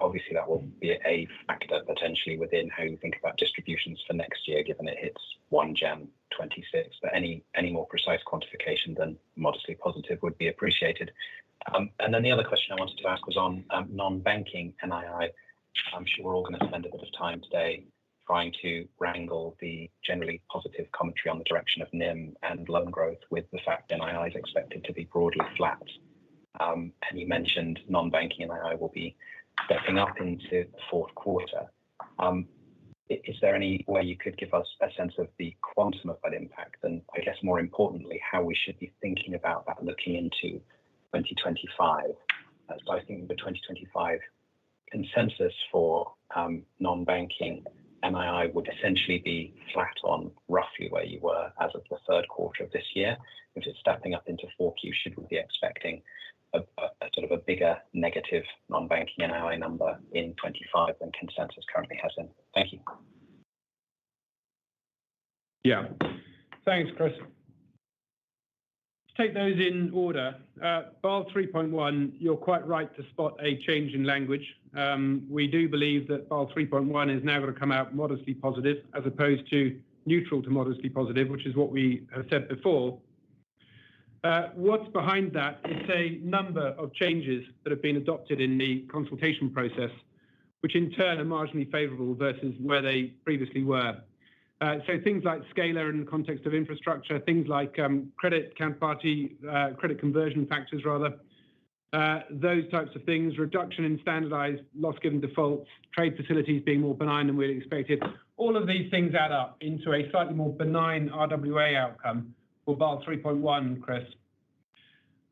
[SPEAKER 7] Obviously, that will be a factor potentially within how you think about distributions for next year, given it hits 1 January 2026. But any more precise quantification than modestly positive would be appreciated. And then the other question I wanted to ask was on non-banking NII. I'm sure we're all going to spend a bit of time today. Trying to wrangle the generally positive commentary on the direction of NIM and loan growth with the fact NII is expected to be broadly flat. And you mentioned non-banking, and NII will be stepping up into the fourth quarter. Is there any way you could give us a sense of the quantum of that impact? And I guess, more importantly, how we should be thinking about that looking into 2025. As I think the twenty twenty-five consensus for non-banking NII would essentially be flat on roughly where you were as of the third quarter of this year, which is stepping up into fourth quarter, should we be expecting a sort of a bigger negative non-banking NII number in 2025 than consensus currently has them? Thank you.
[SPEAKER 2] Yeah. Thanks, Chris. To take those in order, Basel 3.1, you're quite right to spot a change in language. We do believe that Basel 3.1 is now going to come out modestly positive as opposed to neutral to modestly positive, which is what we have said before. What's behind that is a number of changes that have been adopted in the consultation process, which in turn are marginally favorable versus where they previously were. So things like scalar in the context of infrastructure, things like credit, counterparty credit conversion factors, rather, those types of things, reduction in standardized loss given defaults, trade facilities being more benign than we had expected. All of these things add up into a slightly more benign RWA outcome for Basel 3.1, Chris.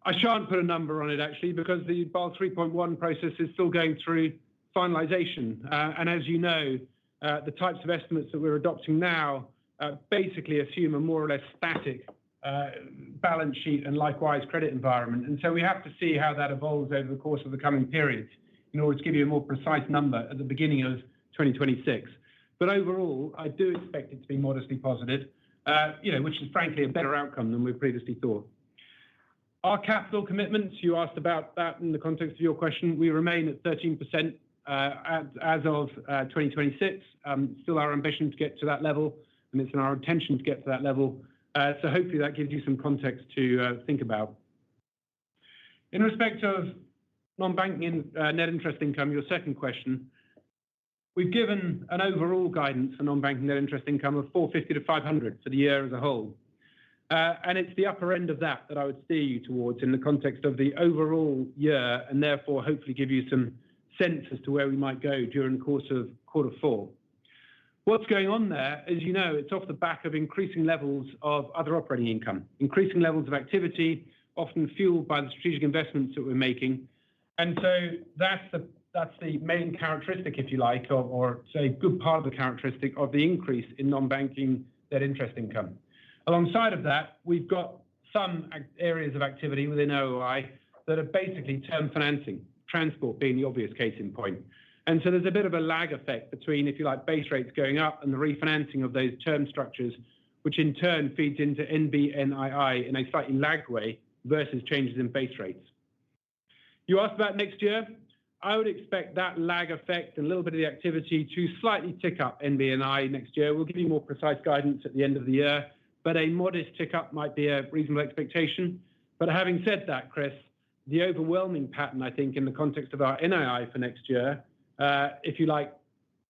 [SPEAKER 2] I shan't put a number on it, actually, because the Basel 3.1 process is still going through finalization. And as you know, the types of estimates that we're adopting now, basically assume a more or less static, balance sheet and likewise credit environment. And so we have to see how that evolves over the course of the coming periods in order to give you a more precise number at the beginning of 2026. But overall, I do expect it to be modestly positive, you know, which is frankly a better outcome than we previously thought. Our capital commitments, you asked about that in the context of your question. We remain at 13%, as of, 2026. Still our ambition to get to that level, and it's in our intention to get to that level. So hopefully that gives you some context to think about. In respect of non-banking net interest income, your second question, we've given an overall guidance for non-banking net interest income of 450-500 for the year as a whole. And it's the upper end of that that I would steer you towards in the context of the overall year, and therefore, hopefully give you some sense as to where we might go during the course of quarter four. What's going on there, as you know, it's off the back of increasing levels of other operating income, increasing levels of activity, often fueled by the strategic investments that we're making. And so that's the, that's the main characteristic, if you like, or say, a good part of the characteristic of the increase in non-banking net interest income. Alongside of that, we've got some areas of activity within OOI that are basically term financing, transport being the obvious case in point. And so there's a bit of a lag effect between, if you like, base rates going up and the refinancing of those term structures, which in turn feeds into NBNII in a slightly lag way versus changes in base rates. You asked about next year. I would expect that lag effect and a little bit of the activity to slightly tick up NBNII next year. We'll give you more precise guidance at the end of the year, but a modest tick up might be a reasonable expectation. But having said that, Chris, the overwhelming pattern, I think, in the context of our NII for next year, if you like,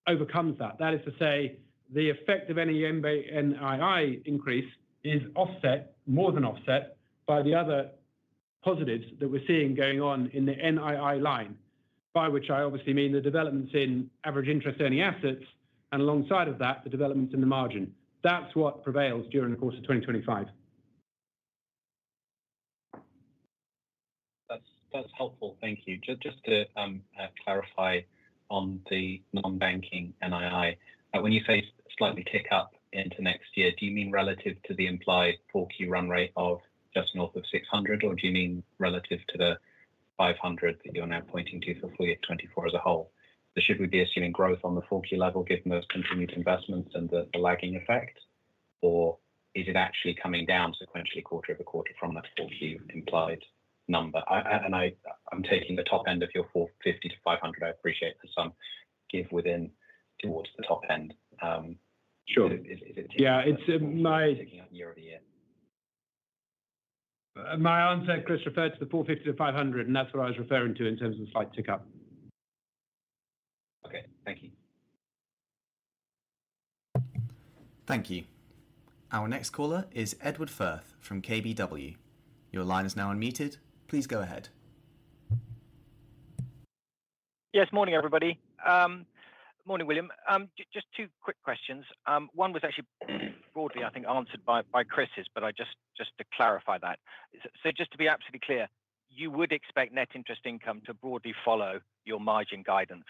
[SPEAKER 2] overcomes that. That is to say, the effect of any NBNII increase is offset, more than offset, by the other positives that we're seeing going on in the NII line, by which I obviously mean the developments in average interest-earning assets, and alongside of that, the developments in the margin. That's what prevails during the course of 2025.
[SPEAKER 7] That's, that's helpful. Thank you. Just to clarify on the non-banking NII, when you say slightly tick up into next year, do you mean relative to the implied fourth quarter run rate of just north of 600, or do you mean relative to the 500 that you're now pointing to for full year 2024 as a whole? So should we be assuming growth on the fourth quarter level, given those continued investments and the lagging effect, or is it actually coming down sequentially quarter over quarter from that fourth quarter implied number? And I'm taking the top end of your 450-500. I appreciate the some give within towards the top end.
[SPEAKER 2] Sure.
[SPEAKER 7] Is it?
[SPEAKER 8] Yeah, it's my...
[SPEAKER 7] Picking up year over year.
[SPEAKER 8] My answer, Chris, referred to the 450-500, and that's what I was referring to in terms of slight tick up.
[SPEAKER 7] Okay. Thank you.
[SPEAKER 1] Thank you. Our next caller is Edward Firth from KBW. Your line is now unmuted. Please go ahead.
[SPEAKER 9] Yes, morning, everybody. Morning, William. Just two quick questions. One was actually broadly, I think, answered by Chris's, but I just to clarify that. So just to be absolutely clear, you would expect net interest income to broadly follow your margin guidance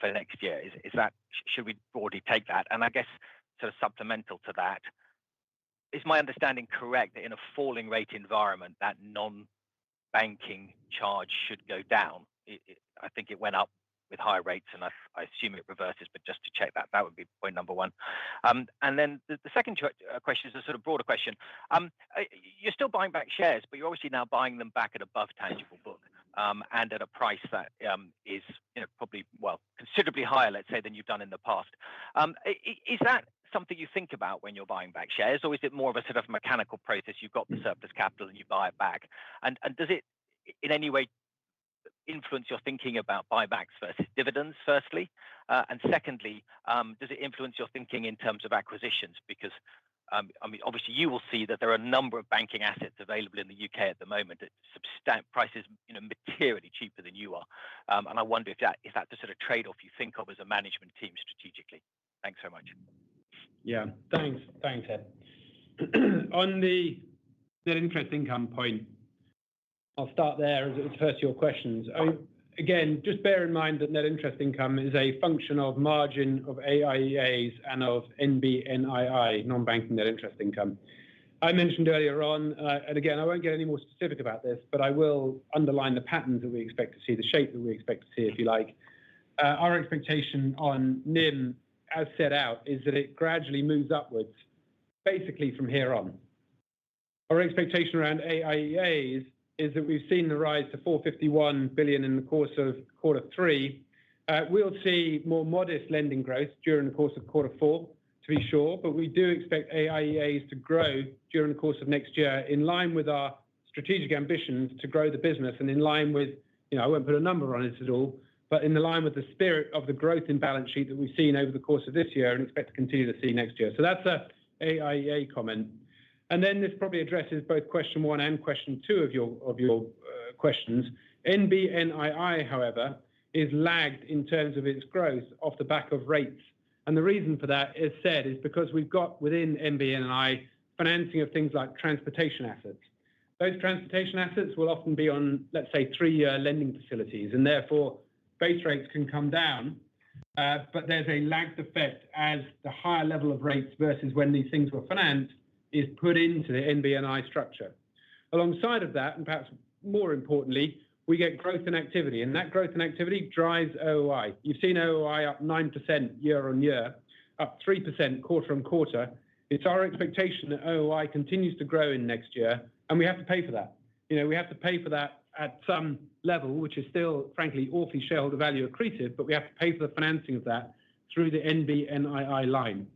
[SPEAKER 9] for next year. Is that... Should we broadly take that? And I guess, sort of supplemental to that, is my understanding correct that in a falling rate environment, that non-banking charge should go down? I think it went up with higher rates, and I assume it reverses, but just to check that, that would be point number one. And then the second question is a sort of broader question. You're still buying back shares, but you're obviously now buying them back at above tangible book, and at a price that, is, you know, probably, well, considerably higher, let's say, than you've done in the past. Is that something you think about when you're buying back shares, or is it more of a sort of mechanical process? You've got the surplus capital, and you buy it back. And does it, in any way, influence your thinking about buybacks versus dividends, firstly? And secondly, does it influence your thinking in terms of acquisitions? Because, I mean, obviously you will see that there are a number of banking assets available in the U.K. at the moment at substantial prices, you know, materially cheaper than you are. I wonder if that is the sort of trade-off you think of as a management team strategically? Thanks so much.
[SPEAKER 2] Yeah, thanks. Thanks, Ed. On the net interest income point, I'll start there as it refers to your questions. Again, just bear in mind that net interest income is a function of margin of AIAs and of NBNII, non-banking net interest income. I mentioned earlier on, and again, I won't get any more specific about this, but I will underline the patterns that we expect to see, the shape that we expect to see, if you like. Our expectation on NIM, as set out, is that it gradually moves upwards, basically from here on. Our expectation around AIAs is that we've seen the rise to 451 billion in the course of third quarter. We'll see more modest lending growth during the course of fourth quarter, to be sure, but we do expect AIAs to grow during the course of next year in line with our strategic ambitions to grow the business and in line with... You know, I won't put a number on it at all, but in line with the spirit of the growth in balance sheet that we've seen over the course of this year and expect to continue to see next year. So that's a AIA comment. And then this probably addresses both question one and question two of your questions. NBNII, however, is lagged in terms of its growth off the back of rates, and the reason for that, as said, is because we've got within NBNII financing of things like transportation assets. Those transportation assets will often be on, let's say, three-year lending facilities, and therefore, base rates can come down. But there's a lagged effect as the higher level of rates versus when these things were financed is put into the NBNII structure. Alongside of that, and perhaps more importantly, we get growth in activity, and that growth in activity drives OOI. You've seen OOI up 9% year on year, up 3% quarter on quarter. It's our expectation that OOI continues to grow in next year, and we have to pay for that. You know, we have to pay for that at some level, which is still frankly awfully shareholder value accreted, but we have to pay for the financing of that through the NBNII line,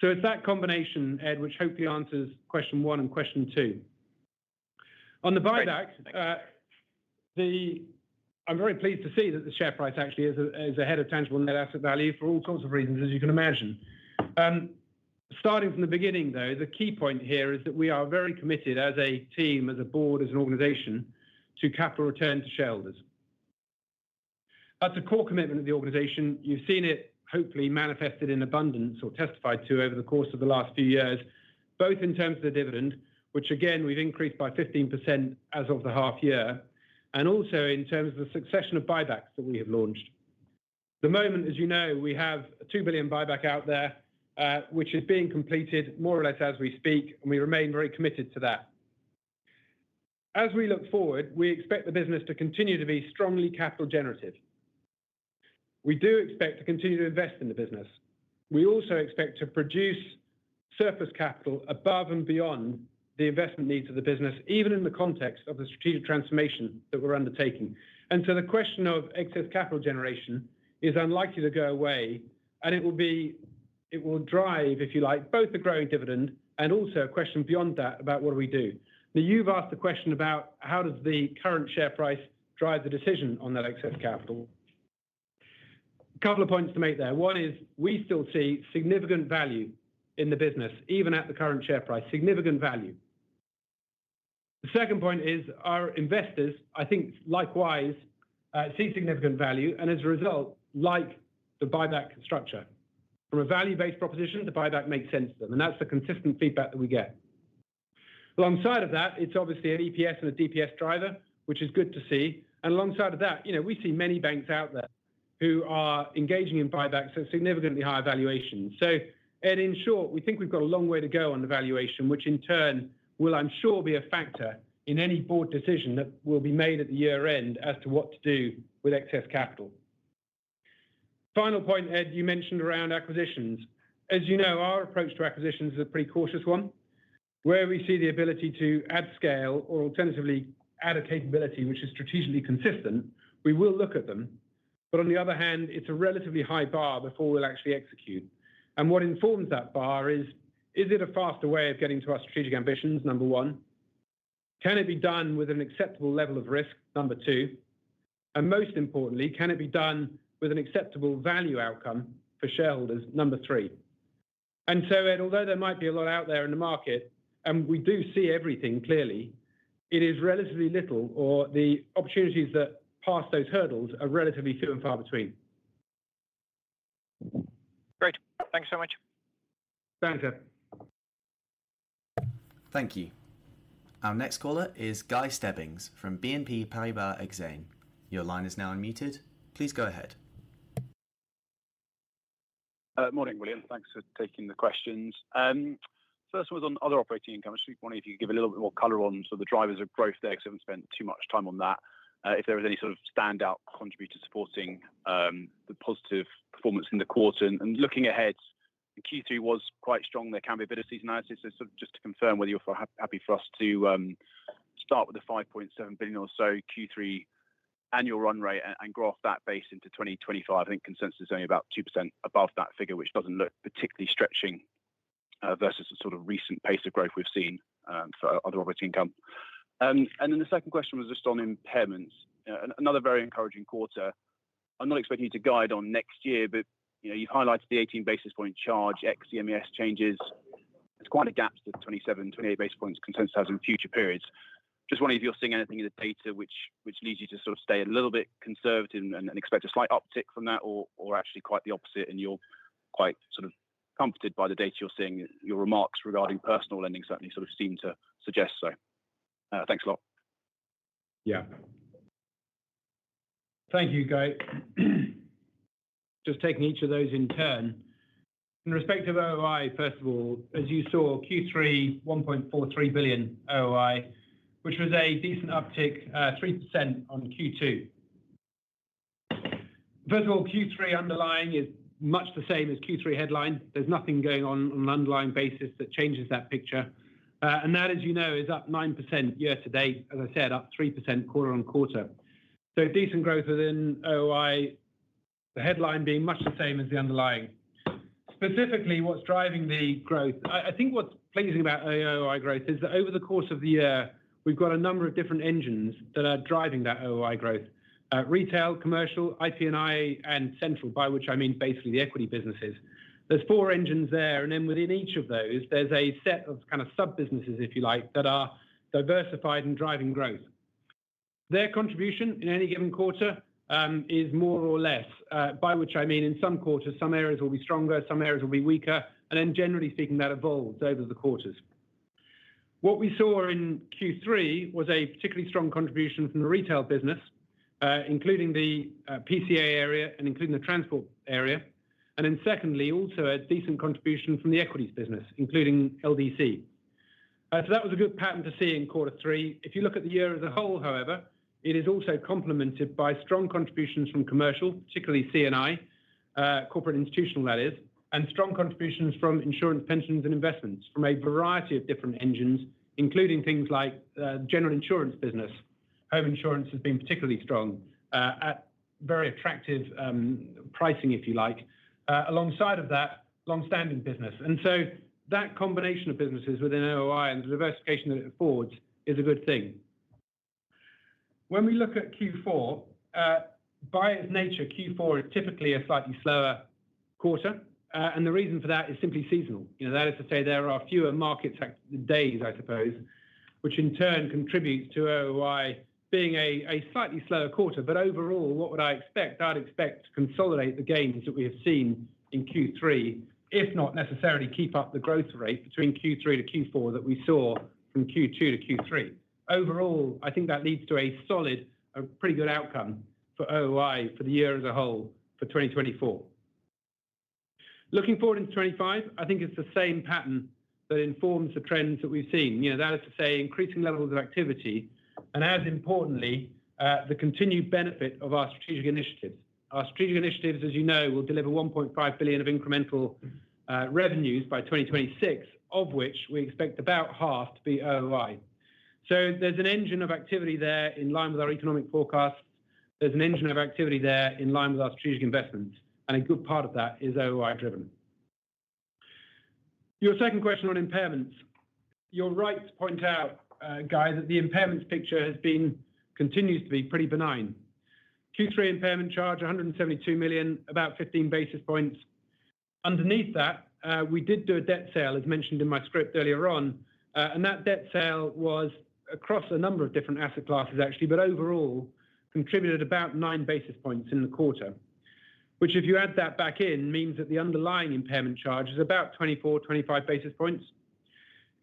[SPEAKER 2] so it's that combination, Ed, which hopefully answers question one and question two.
[SPEAKER 9] Great. Thank you.
[SPEAKER 2] On the buyback, I'm very pleased to see that the share price actually is ahead of Tangible Net Asset Value for all sorts of reasons, as you can imagine. Starting from the beginning, though, the key point here is that we are very committed as a team, as a board, as an organization, to capital return to shareholders. That's a core commitment of the organization. You've seen it hopefully manifested in abundance or testified to over the course of the last few years, both in terms of the dividend, which again, we've increased by 15% as of the half year, and also in terms of the succession of buybacks that we have launched. At the moment, as you know, we have a 2 billion buyback out there, which is being completed more or less as we speak, and we remain very committed to that. As we look forward, we expect the business to continue to be strongly capital generative. We do expect to continue to invest in the business. We also expect to produce surplus capital above and beyond the investment needs of the business, even in the context of the strategic transformation that we're undertaking, and so the question of excess capital generation is unlikely to go away, and it will drive, if you like, both the growing dividend and also a question beyond that about what do we do. Now, you've asked the question about how does the current share price drive the decision on that excess capital. Couple of points to make there. One is we still see significant value in the business, even at the current share price, significant value. The second point is our investors, I think, likewise, see significant value, and as a result, like the buyback structure. From a value-based proposition, the buyback makes sense to them, and that's the consistent feedback that we get. Alongside of that, it's obviously an EPS and a DPS driver, which is good to see, and alongside of that, you know, we see many banks out there who are engaging in buybacks at significantly higher valuations. So, and in short, we think we've got a long way to go on the valuation, which in turn will, I'm sure, be a factor in any board decision that will be made at the year end as to what to do with excess capital. Final point, Ed, you mentioned around acquisitions. As you know, our approach to acquisitions is a pretty cautious one. Where we see the ability to add scale or alternatively add a capability which is strategically consistent, we will look at them, but on the other hand, it's a relatively high bar before we'll actually execute, and what informs that bar is, is it a faster way of getting to our strategic ambitions, number one? Can it be done with an acceptable level of risk, number two? And most importantly, can it be done with an acceptable value outcome for shareholders, number three, and so, Ed, although there might be a lot out there in the market, and we do see everything clearly, it is relatively little, or the opportunities that pass those hurdles are relatively few and far between.
[SPEAKER 9] Great. Thank you so much.
[SPEAKER 2] Thanks, Ed.
[SPEAKER 1] Thank you. Our next caller is Guy Stebbings from BNP Paribas Exane. Your line is now unmuted. Please go ahead.
[SPEAKER 10] Morning, William. Thanks for taking the questions. First one was on other operating income. I was just wondering if you could give a little bit more color on so the drivers of growth there, because you haven't spent too much time on that. If there was any sort of standout contributor supporting the positive performance in the quarter. And looking ahead, third quarter was quite strong. There can be a bit of seasonality. So just to confirm whether you're happy for us to start with the 5.7 billion or so third quarter annual run rate and grow that base into 2025. I think consensus is only about 2% above that figure, which doesn't look particularly stretching versus the sort of recent pace of growth we've seen for other operating income. Then the second question was just on impairments. Another very encouraging quarter. I'm not expecting you to guide on next year, but, you know, you've highlighted the 18 basis point charge, ex-MES changes. There's quite a gap to the 27-28 basis points consensus in future periods. Just wondering if you're seeing anything in the data which leads you to sort of stay a little bit conservative and expect a slight uptick from that or actually quite the opposite, and you're quite sort of comforted by the data you're seeing. Your remarks regarding personal lending certainly sort of seem to suggest so. Thanks a lot.
[SPEAKER 2] Yeah. Thank you, Guy. Just taking each of those in turn. In respect of OOI, first of all, as you saw, third quarter, 1.43 billion OOI, which was a decent uptick, 3% on second quarter. First of all, third quarter underlying is much the same as third quarter headline. There's nothing going on on an underlying basis that changes that picture. And that, as you know, is up 9% year to date, as I said, up 3% quarter on quarter. So decent growth within OOI, the headline being much the same as the underlying. Specifically, what's driving the growth. I, I think what's pleasing about OOI growth is that over the course of the year, we've got a number of different engines that are driving that OOI growth. Retail, commercial, IP&I, and central, by which I mean basically the equity businesses. There's four engines there, and then within each of those, there's a set of kind of sub-businesses, if you like, that are diversified and driving growth. Their contribution in any given quarter is more or less, by which I mean in some quarters, some areas will be stronger, some areas will be weaker, and then generally speaking, that evolves over the quarters. What we saw in third was a particularly strong contribution from the retail business, including the PCA area and including the transport area, and then secondly, also a decent contribution from the equities business, including LDC. So that was a good pattern to see in third quarter If you look at the year as a whole, however, it is also complemented by strong contributions from commercial, particularly C&I, corporate institutional, that is, and strong contributions from insurance, pensions, and investments from a variety of different engines, including things like, general insurance business. Home insurance has been particularly strong, at very attractive, pricing, if you like, alongside of that long-standing business. And so that combination of businesses within OOI and the diversification that it affords is a good thing. When we look at fourth quarter, by its nature, Q4 is typically a slightly slower quarter, and the reason for that is simply seasonal. You know, that is to say there are fewer market active days, I suppose, which in turn contributes to OOI being a slightly slower quarter. But overall, what would I expect? I'd expect to consolidate the gains that we have seen in third quarter, if not necessarily keep up the growth rate between third quarter to fourth quarter that we saw from second quarter to third quarter. Overall, I think that leads to a solid, a pretty good outcome for OOI for the year as a whole for twenty twenty-four. Looking forward into twenty-five, I think it's the same pattern that informs the trends that we've seen. You know, that is to say, increasing levels of activity, and as importantly, the continued benefit of our strategic initiatives. Our strategic initiatives, as you know, will deliver 1.5 billion of incremental revenues by 2026, of which we expect about half to be OOI. So there's an engine of activity there in line with our economic forecast. There's an engine of activity there in line with our strategic investments, and a good part of that is OOI driven. Your second question on impairments. You're right to point out, Guy, that the impairments picture has been... continues to be pretty benign. third quarter impairment charge, 172 million, about 15 basis points. Underneath that, we did do a debt sale, as mentioned in my script earlier on, and that debt sale was across a number of different asset classes, actually, but overall, contributed about 9 basis points in the quarter, which, if you add that back in, means that the underlying impairment charge is about 24-25 basis points.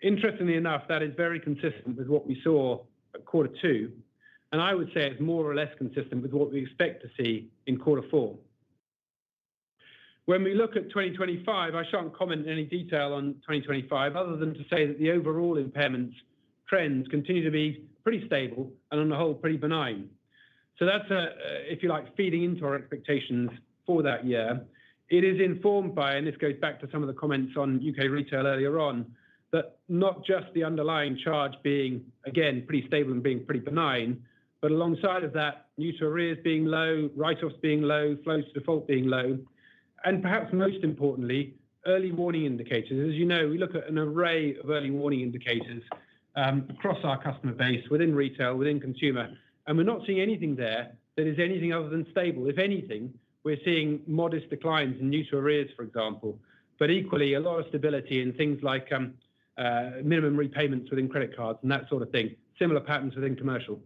[SPEAKER 2] Interestingly enough, that is very consistent with what we saw at quarter two, and I would say it's more or less consistent with what we expect to see in fourth quarter. When we look at twenty twenty-five, I shan't comment in any detail on 2025, other than to say that the overall impairments trends continue to be pretty stable and, on the whole, pretty benign. So that's, if you like, feeding into our expectations for that year. It is informed by, and this goes back to some of the comments on U.K. retail earlier on, that not just the underlying charge being, again, pretty stable and being pretty benign, but alongside of that, new to arrears being low, write-offs being low, flows to default being low, and perhaps most importantly, early warning indicators. As you know, we look at an array of early warning indicators, across our customer base, within retail, within consumer, and we're not seeing anything there that is anything other than stable. If anything, we're seeing modest declines in new to arrears, for example, but equally, a lot of stability in things like, minimum repayments within credit cards and that sort of thing. Similar patterns within commercial.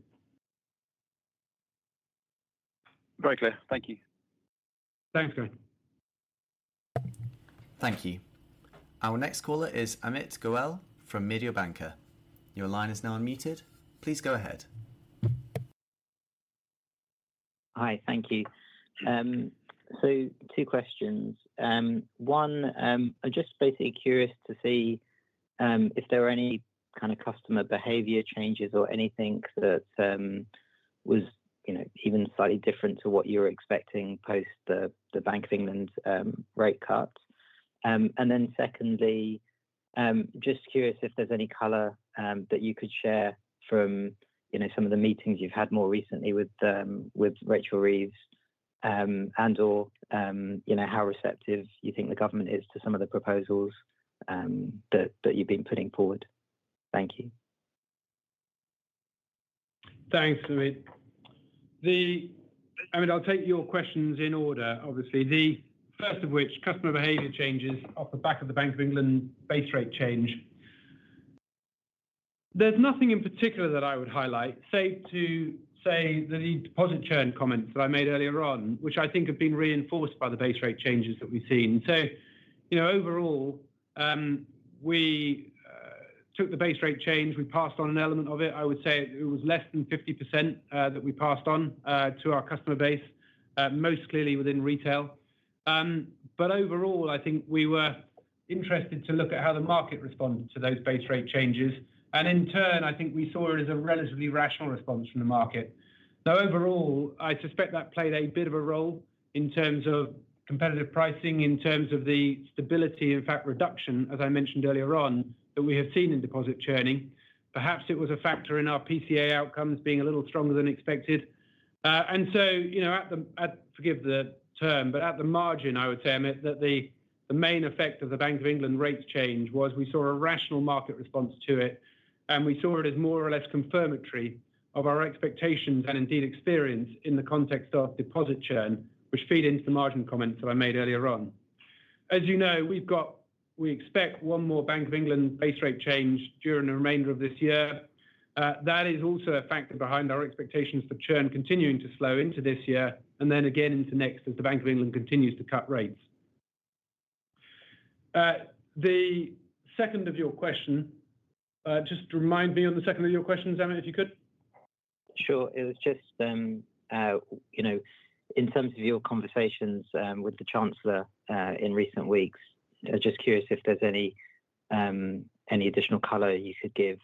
[SPEAKER 10] Very clear. Thank you.
[SPEAKER 2] Thanks, Guy.
[SPEAKER 1] Thank you. Our next caller is Amit Goel from Mediobanca. Your line is now unmuted. Please go ahead.
[SPEAKER 11] Hi, thank you. So two questions. One, I'm just basically curious to see if there were any kind of customer behavior changes or anything that was, you know, even slightly different to what you were expecting post the Bank of England rate cuts. And then secondly, just curious if there's any color that you could share from, you know, some of the meetings you've had more recently with Rachel Reeves, and/or, you know, how receptive you think the government is to some of the proposals that you've been putting forward? Thank you.
[SPEAKER 2] Thanks, Amit. I mean, I'll take your questions in order, obviously. The first of which, customer behavior changes off the back of the Bank of England base rate change. There's nothing in particular that I would highlight, save to say the deposit churn comments that I made earlier on, which I think have been reinforced by the base rate changes that we've seen. So, you know, overall, we took the base rate change. We passed on an element of it. I would say it was less than 50% that we passed on to our customer base, most clearly within retail. But overall, I think we were interested to look at how the market responded to those base rate changes, and in turn, I think we saw it as a relatively rational response from the market. So overall, I suspect that played a bit of a role in terms of competitive pricing, in terms of the stability, in fact, reduction, as I mentioned earlier on, that we have seen in deposit churning. Perhaps it was a factor in our PCA outcomes being a little stronger than expected. And so, you know, at the forgive the term, but at the margin, I would say, Amit, that the, the main effect of the Bank of England rates change was we saw a rational market response to it, and we saw it as more or less confirmatory of our expectations and indeed experience in the context of deposit churn, which feed into the margin comments that I made earlier on. As you know, we expect one more Bank of England base rate change during the remainder of this year. That is also a factor behind our expectations for churn continuing to slow into this year and then again into next, as the Bank of England continues to cut rates. The second of your question, just remind me on the second of your questions, Amit, if you could.
[SPEAKER 11] Sure. It was just, you know, in terms of your conversations with the Chancellor in recent weeks, I was just curious if there's any additional color you could give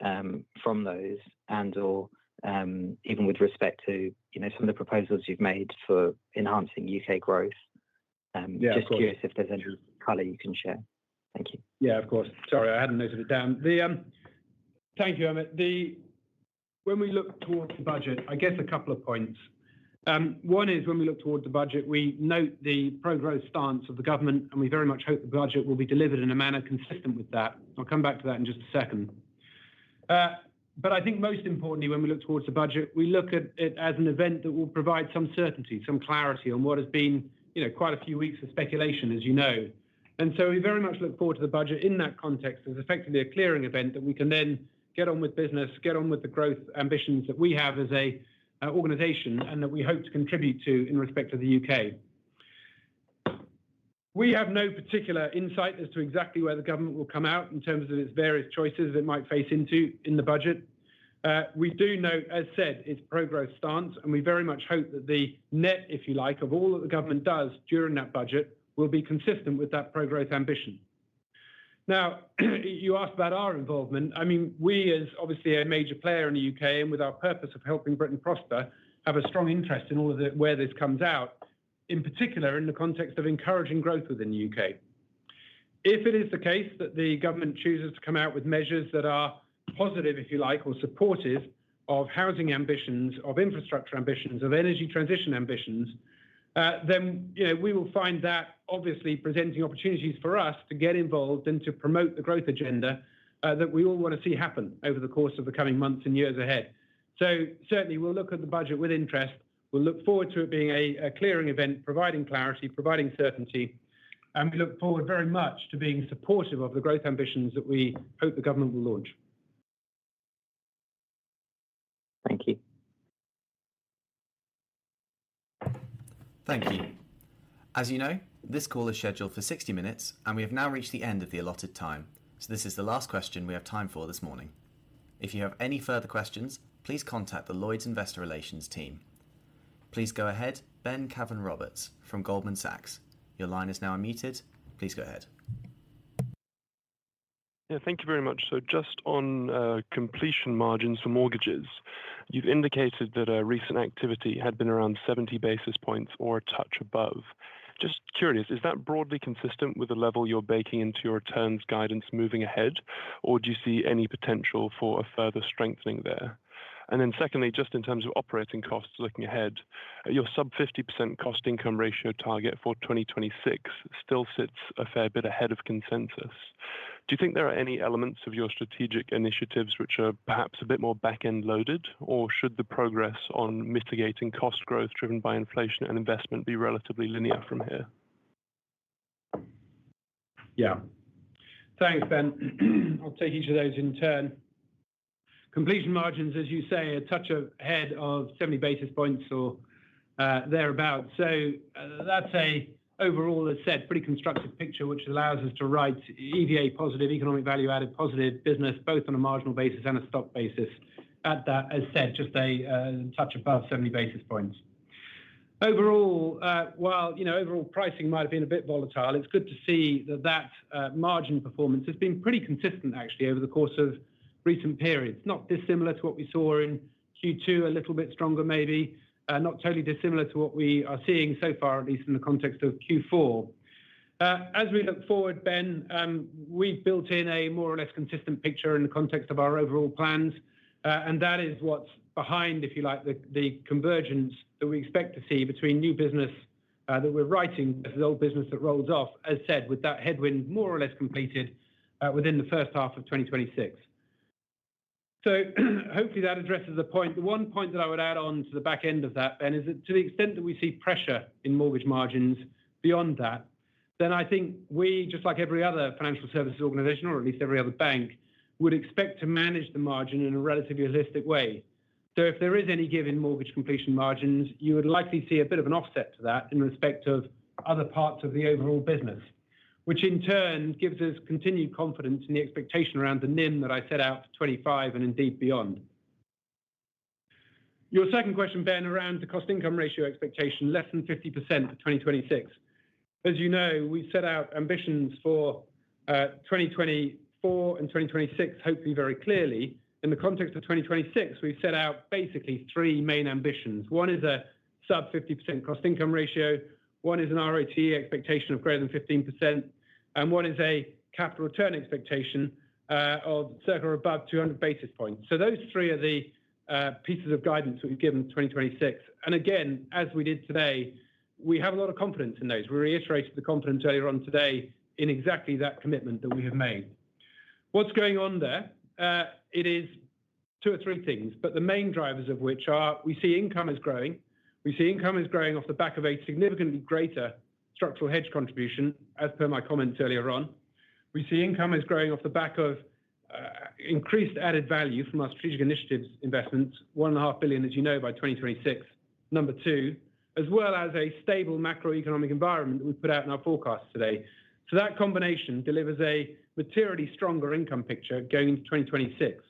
[SPEAKER 11] from those and/or even with respect to, you know, some of the proposals you've made for enhancing U.K. growth.
[SPEAKER 2] Yeah, of course.
[SPEAKER 11] Just curious if there's any color you can share? Thank you.
[SPEAKER 2] Yeah, of course. Sorry, I hadn't noted it down. Thank you, Amit. When we look towards the budget, I guess a couple of points. One is when we look towards the budget, we note the pro-growth stance of the government, and we very much hope the budget will be delivered in a manner consistent with that. I'll come back to that in just a second. But I think most importantly, when we look towards the budget, we look at it as an event that will provide some certainty, some clarity on what has been, you know, quite a few weeks of speculation, as you know. And so we very much look forward to the budget in that context, as effectively a clearing event that we can then get on with business, get on with the growth ambitions that we have as a, an organization, and that we hope to contribute to in respect of the U.K. We have no particular insight as to exactly where the government will come out in terms of its various choices it might face into in the budget. We do note, as said, its pro-growth stance, and we very much hope that the net, if you like, of all that the government does during that budget will be consistent with that pro-growth ambition. Now, you asked about our involve.ment. I mean, we, as obviously a major player in the UK and with our purpose of helping Britain prosper, have a strong interest in all of the, where this comes out, in particular in the context of encouraging growth within the U.K. If it is the case that the government chooses to come out with measures that are positive, if you like, or supportive of housing ambitions, of infrastructure ambitions, of energy transition ambitions, then, you know, we will find that obviously presenting opportunities for us to get involved and to promote the growth agenda, that we all want to see happen over the course of the coming months and years ahead. So certainly, we'll look at the budget with interest. We'll look forward to it being a clearing event, providing clarity, providing certainty, and we look forward very much to being supportive of the growth ambitions that we hope the government will launch.
[SPEAKER 11] Thank you.
[SPEAKER 1] Thank you. As you know, this call is scheduled for 60 minutes, and we have now reached the end of the allotted time, so this is the last question we have time for this morning. If you have any further questions, please contact the Lloyds Investor Relations team. Please go ahead, Ben Cavan Roberts from Goldman Sachs. Your line is now unmuted. Please go ahead.
[SPEAKER 12] Yeah, thank you very much. So just on completion margins for mortgages, you've indicated that recent activity had been around seventy basis points or a touch above. Just curious, is that broadly consistent with the level you're baking into your full-year guidance moving ahead, or do you see any potential for a further strengthening there? And then secondly, just in terms of operating costs, looking ahead, your sub-50% cost-to-income ratio target for 2026 still sits a fair bit ahead of consensus. Do you think there are any elements of your strategic initiatives which are perhaps a bit more back-end loaded, or should the progress on mitigating cost growth driven by inflation and investment be relatively linear from here?
[SPEAKER 2] Yeah. Thanks, Ben. I'll take each of those in turn. Completion margins, as you say, a touch ahead of seventy basis points or thereabout. So that's an overall, as said, pretty constructive picture, which allows us to write EVA positive, economic value added, positive business, both on a marginal basis and a stock basis. At that, as said, just a touch above seventy basis points. Overall, while you know, overall pricing might have been a bit volatile, it's good to see that margin performance has been pretty consistent actually over the course of recent periods, not dissimilar to what we saw in second quarter, a little bit stronger maybe, not totally dissimilar to what we are seeing so far, at least in the context of fourth quarter. As we look forward, Ben, we've built in a more or less consistent picture in the context of our overall plans, and that is what's behind, if you like, the convergence that we expect to see between new business that we're writing and the old business that rolls off, as said, with that headwind more or less completed within the first half of 2026. So hopefully that addresses the point. The one point that I would add on to the back end of that, Ben, is that to the extent that we see pressure in mortgage margins beyond that, then I think we, just like every other financial services organization, or at least every other bank, would expect to manage the margin in a relatively realistic way. So if there is any give in mortgage completion margins, you would likely see a bit of an offset to that in respect of other parts of the overall business, which in turn gives us continued confidence in the expectation around the NIM that I set out for 2025 and indeed beyond. Your second question, Ben, around the cost-income ratio expectation, less than 50% for 2026. As you know, we set out ambitions for 2024 and 2026, hopefully very clearly. In the context of 2026, we've set out basically three main ambitions. One is a sub 50% cost-income ratio, one is an ROTE expectation of greater than 15%, and one is a capital return expectation of circa or above 200 basis points. So those three are the pieces of guidance that we've given 2026. And again, as we did today, we have a lot of confidence in those. We reiterated the confidence earlier on today in exactly that commitment that we have made. What's going on there? It is two or three things, but the main drivers of which are, we see income is growing. We see income is growing off the back of a significantly greater structural hedge contribution, as per my comments earlier on. We see income is growing off the back of, increased added value from our strategic initiatives investments, 1.5 billion, as you know, by 2026. Number two, as well as a stable macroeconomic environment that we've put out in our forecast today. So that combination delivers a materially stronger income picture going into 2026.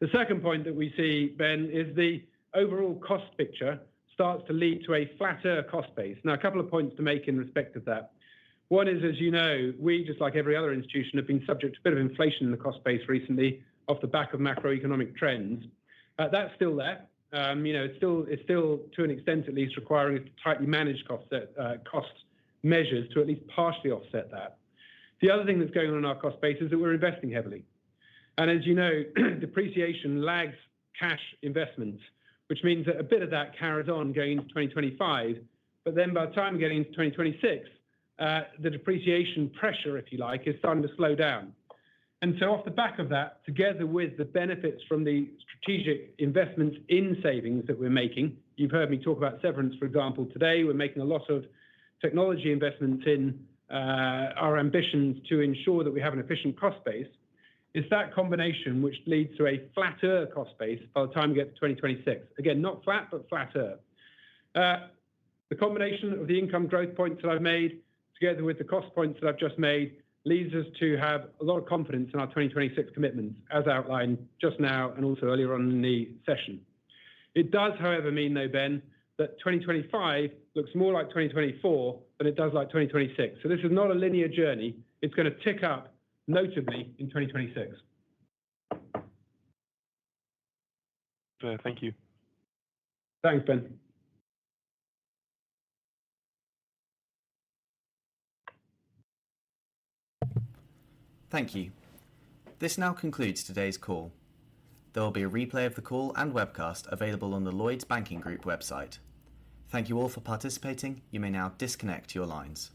[SPEAKER 2] The second point that we see, Ben, is the overall cost picture starts to lead to a flatter cost base. Now, a couple of points to make in respect of that. One is, as you know, we, just like every other institution, have been subject to a bit of inflation in the cost base recently, off the back of macroeconomic trends. That's still there. You know, it's still, to an extent, at least requiring us to tightly manage cost set, cost measures to at least partially offset that. The other thing that's going on in our cost base is that we're investing heavily. And as you know, depreciation lags cash investments, which means that a bit of that carries on going into 2025, but then by the time we get into 2026, the depreciation pressure, if you like, is starting to slow down. And so off the back of that, together with the benefits from the strategic investments in savings that we're making, you've heard me talk about severance, for example. Today, we're making a lot of technology investments in our ambitions to ensure that we have an efficient cost base, is that combination which leads to a flatter cost base by the time we get to 2026. Again, not flat, but flatter. The combination of the income growth points that I've made, together with the cost points that I've just made, leads us to have a lot of confidence in our 2026 commitments, as outlined just now and also earlier on in the session. It does, however, mean though, Ben, that 2025 looks more like 2024 than it does like 2026. So this is not a linear journey. It's gonna tick up, notably in 2026.
[SPEAKER 12] Thank you.
[SPEAKER 2] Thanks, Ben.
[SPEAKER 1] Thank you. This now concludes today's call. There will be a replay of the call and webcast available on the Lloyds Banking Group website. Thank you all for participating. You may now disconnect your lines.